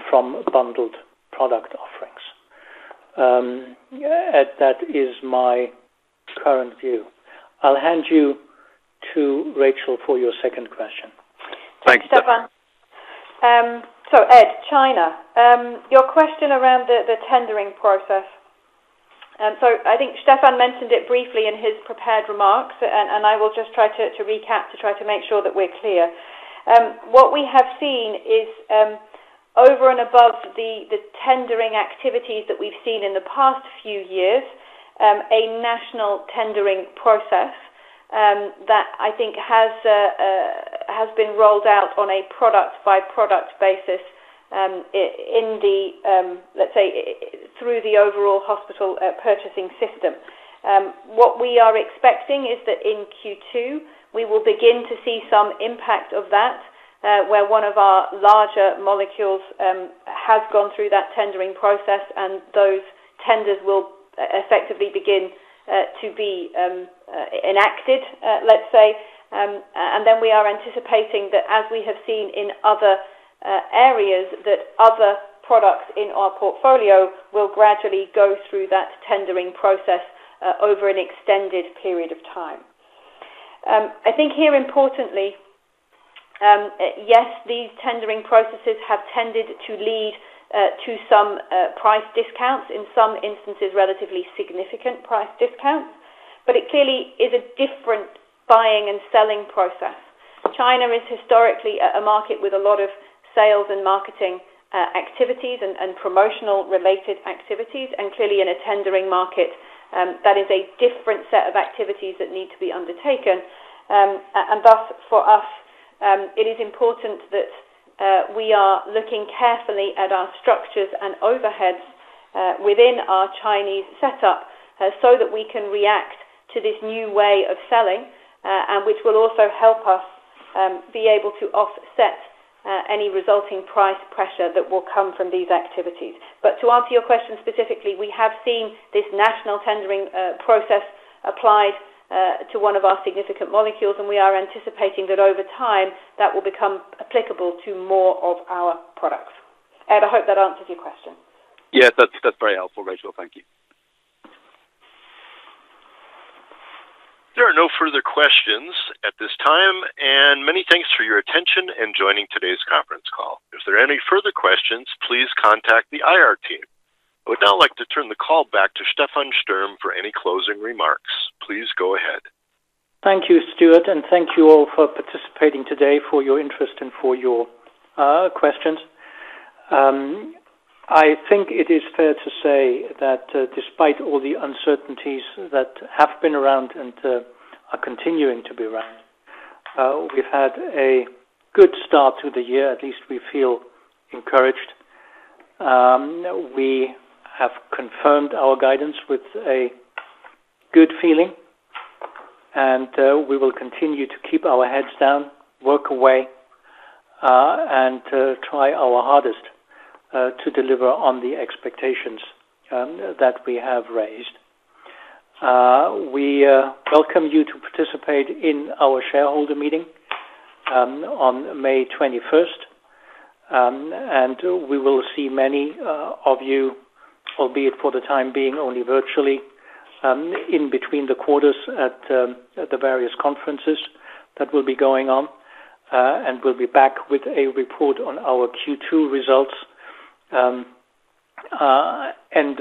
from bundled product offerings. Ed, that is my current view. I'll hand you to Rachel for your second question. Thanks. Stephan. Ed, China. Your question around the tendering process. I think Stephan mentioned it briefly in his prepared remarks, and I will just try to recap to try to make sure that we're clear. What we have seen is, over and above the tendering activities that we've seen in the past few years, a national tendering process, that I think has been rolled out on a product-by-product basis, let's say through the overall hospital purchasing system. What we are expecting is that in Q2, we will begin to see some impact of that, where one of our larger molecules has gone through that tendering process, and those tenders will effectively begin to be enacted, let's say. Then we are anticipating that as we have seen in other areas, that other products in our portfolio will gradually go through that tendering process over an extended period of time. I think here importantly, yes, these tendering processes have tended to lead to some price discounts. In some instances, relatively significant price discounts. It clearly is a different buying and selling process. China is historically a market with a lot of sales and marketing activities and promotional related activities. Clearly in a tendering market, that is a different set of activities that need to be undertaken. Thus for us, it is important that we are looking carefully at our structures and overheads within our Chinese setup so that we can react to this new way of selling, and which will also help us be able to offset any resulting price pressure that will come from these activities. To answer your question specifically, we have seen this national tendering process applied to one of our significant molecules, and we are anticipating that over time, that will become applicable to more of our products. Ed, I hope that answers your question. Yeah. That's very helpful, Rachel. Thank you. There are no further questions at this time, and many thanks for your attention in joining today's conference call. If there are any further questions, please contact the IR team. I would now like to turn the call back to Stephan Sturm for any closing remarks. Please go ahead. Thank you, Stuart, and thank you all for participating today, for your interest and for your questions. I think it is fair to say that despite all the uncertainties that have been around and are continuing to be around, we've had a good start to the year. At least we feel encouraged. We have confirmed our guidance with a good feeling, and we will continue to keep our heads down, work away, and try our hardest to deliver on the expectations that we have raised. We welcome you to participate in our shareholder meeting on May 21st. We will see many of you, albeit for the time being, only virtually, in between the quarters at the various conferences that will be going on. We'll be back with a report on our Q2 results end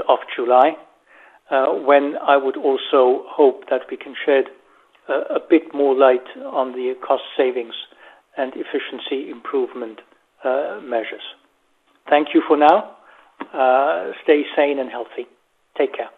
of July, when I would also hope that we can shed a bit more light on the cost savings and efficiency improvement measures. Thank you for now. Stay sane and healthy. Take care.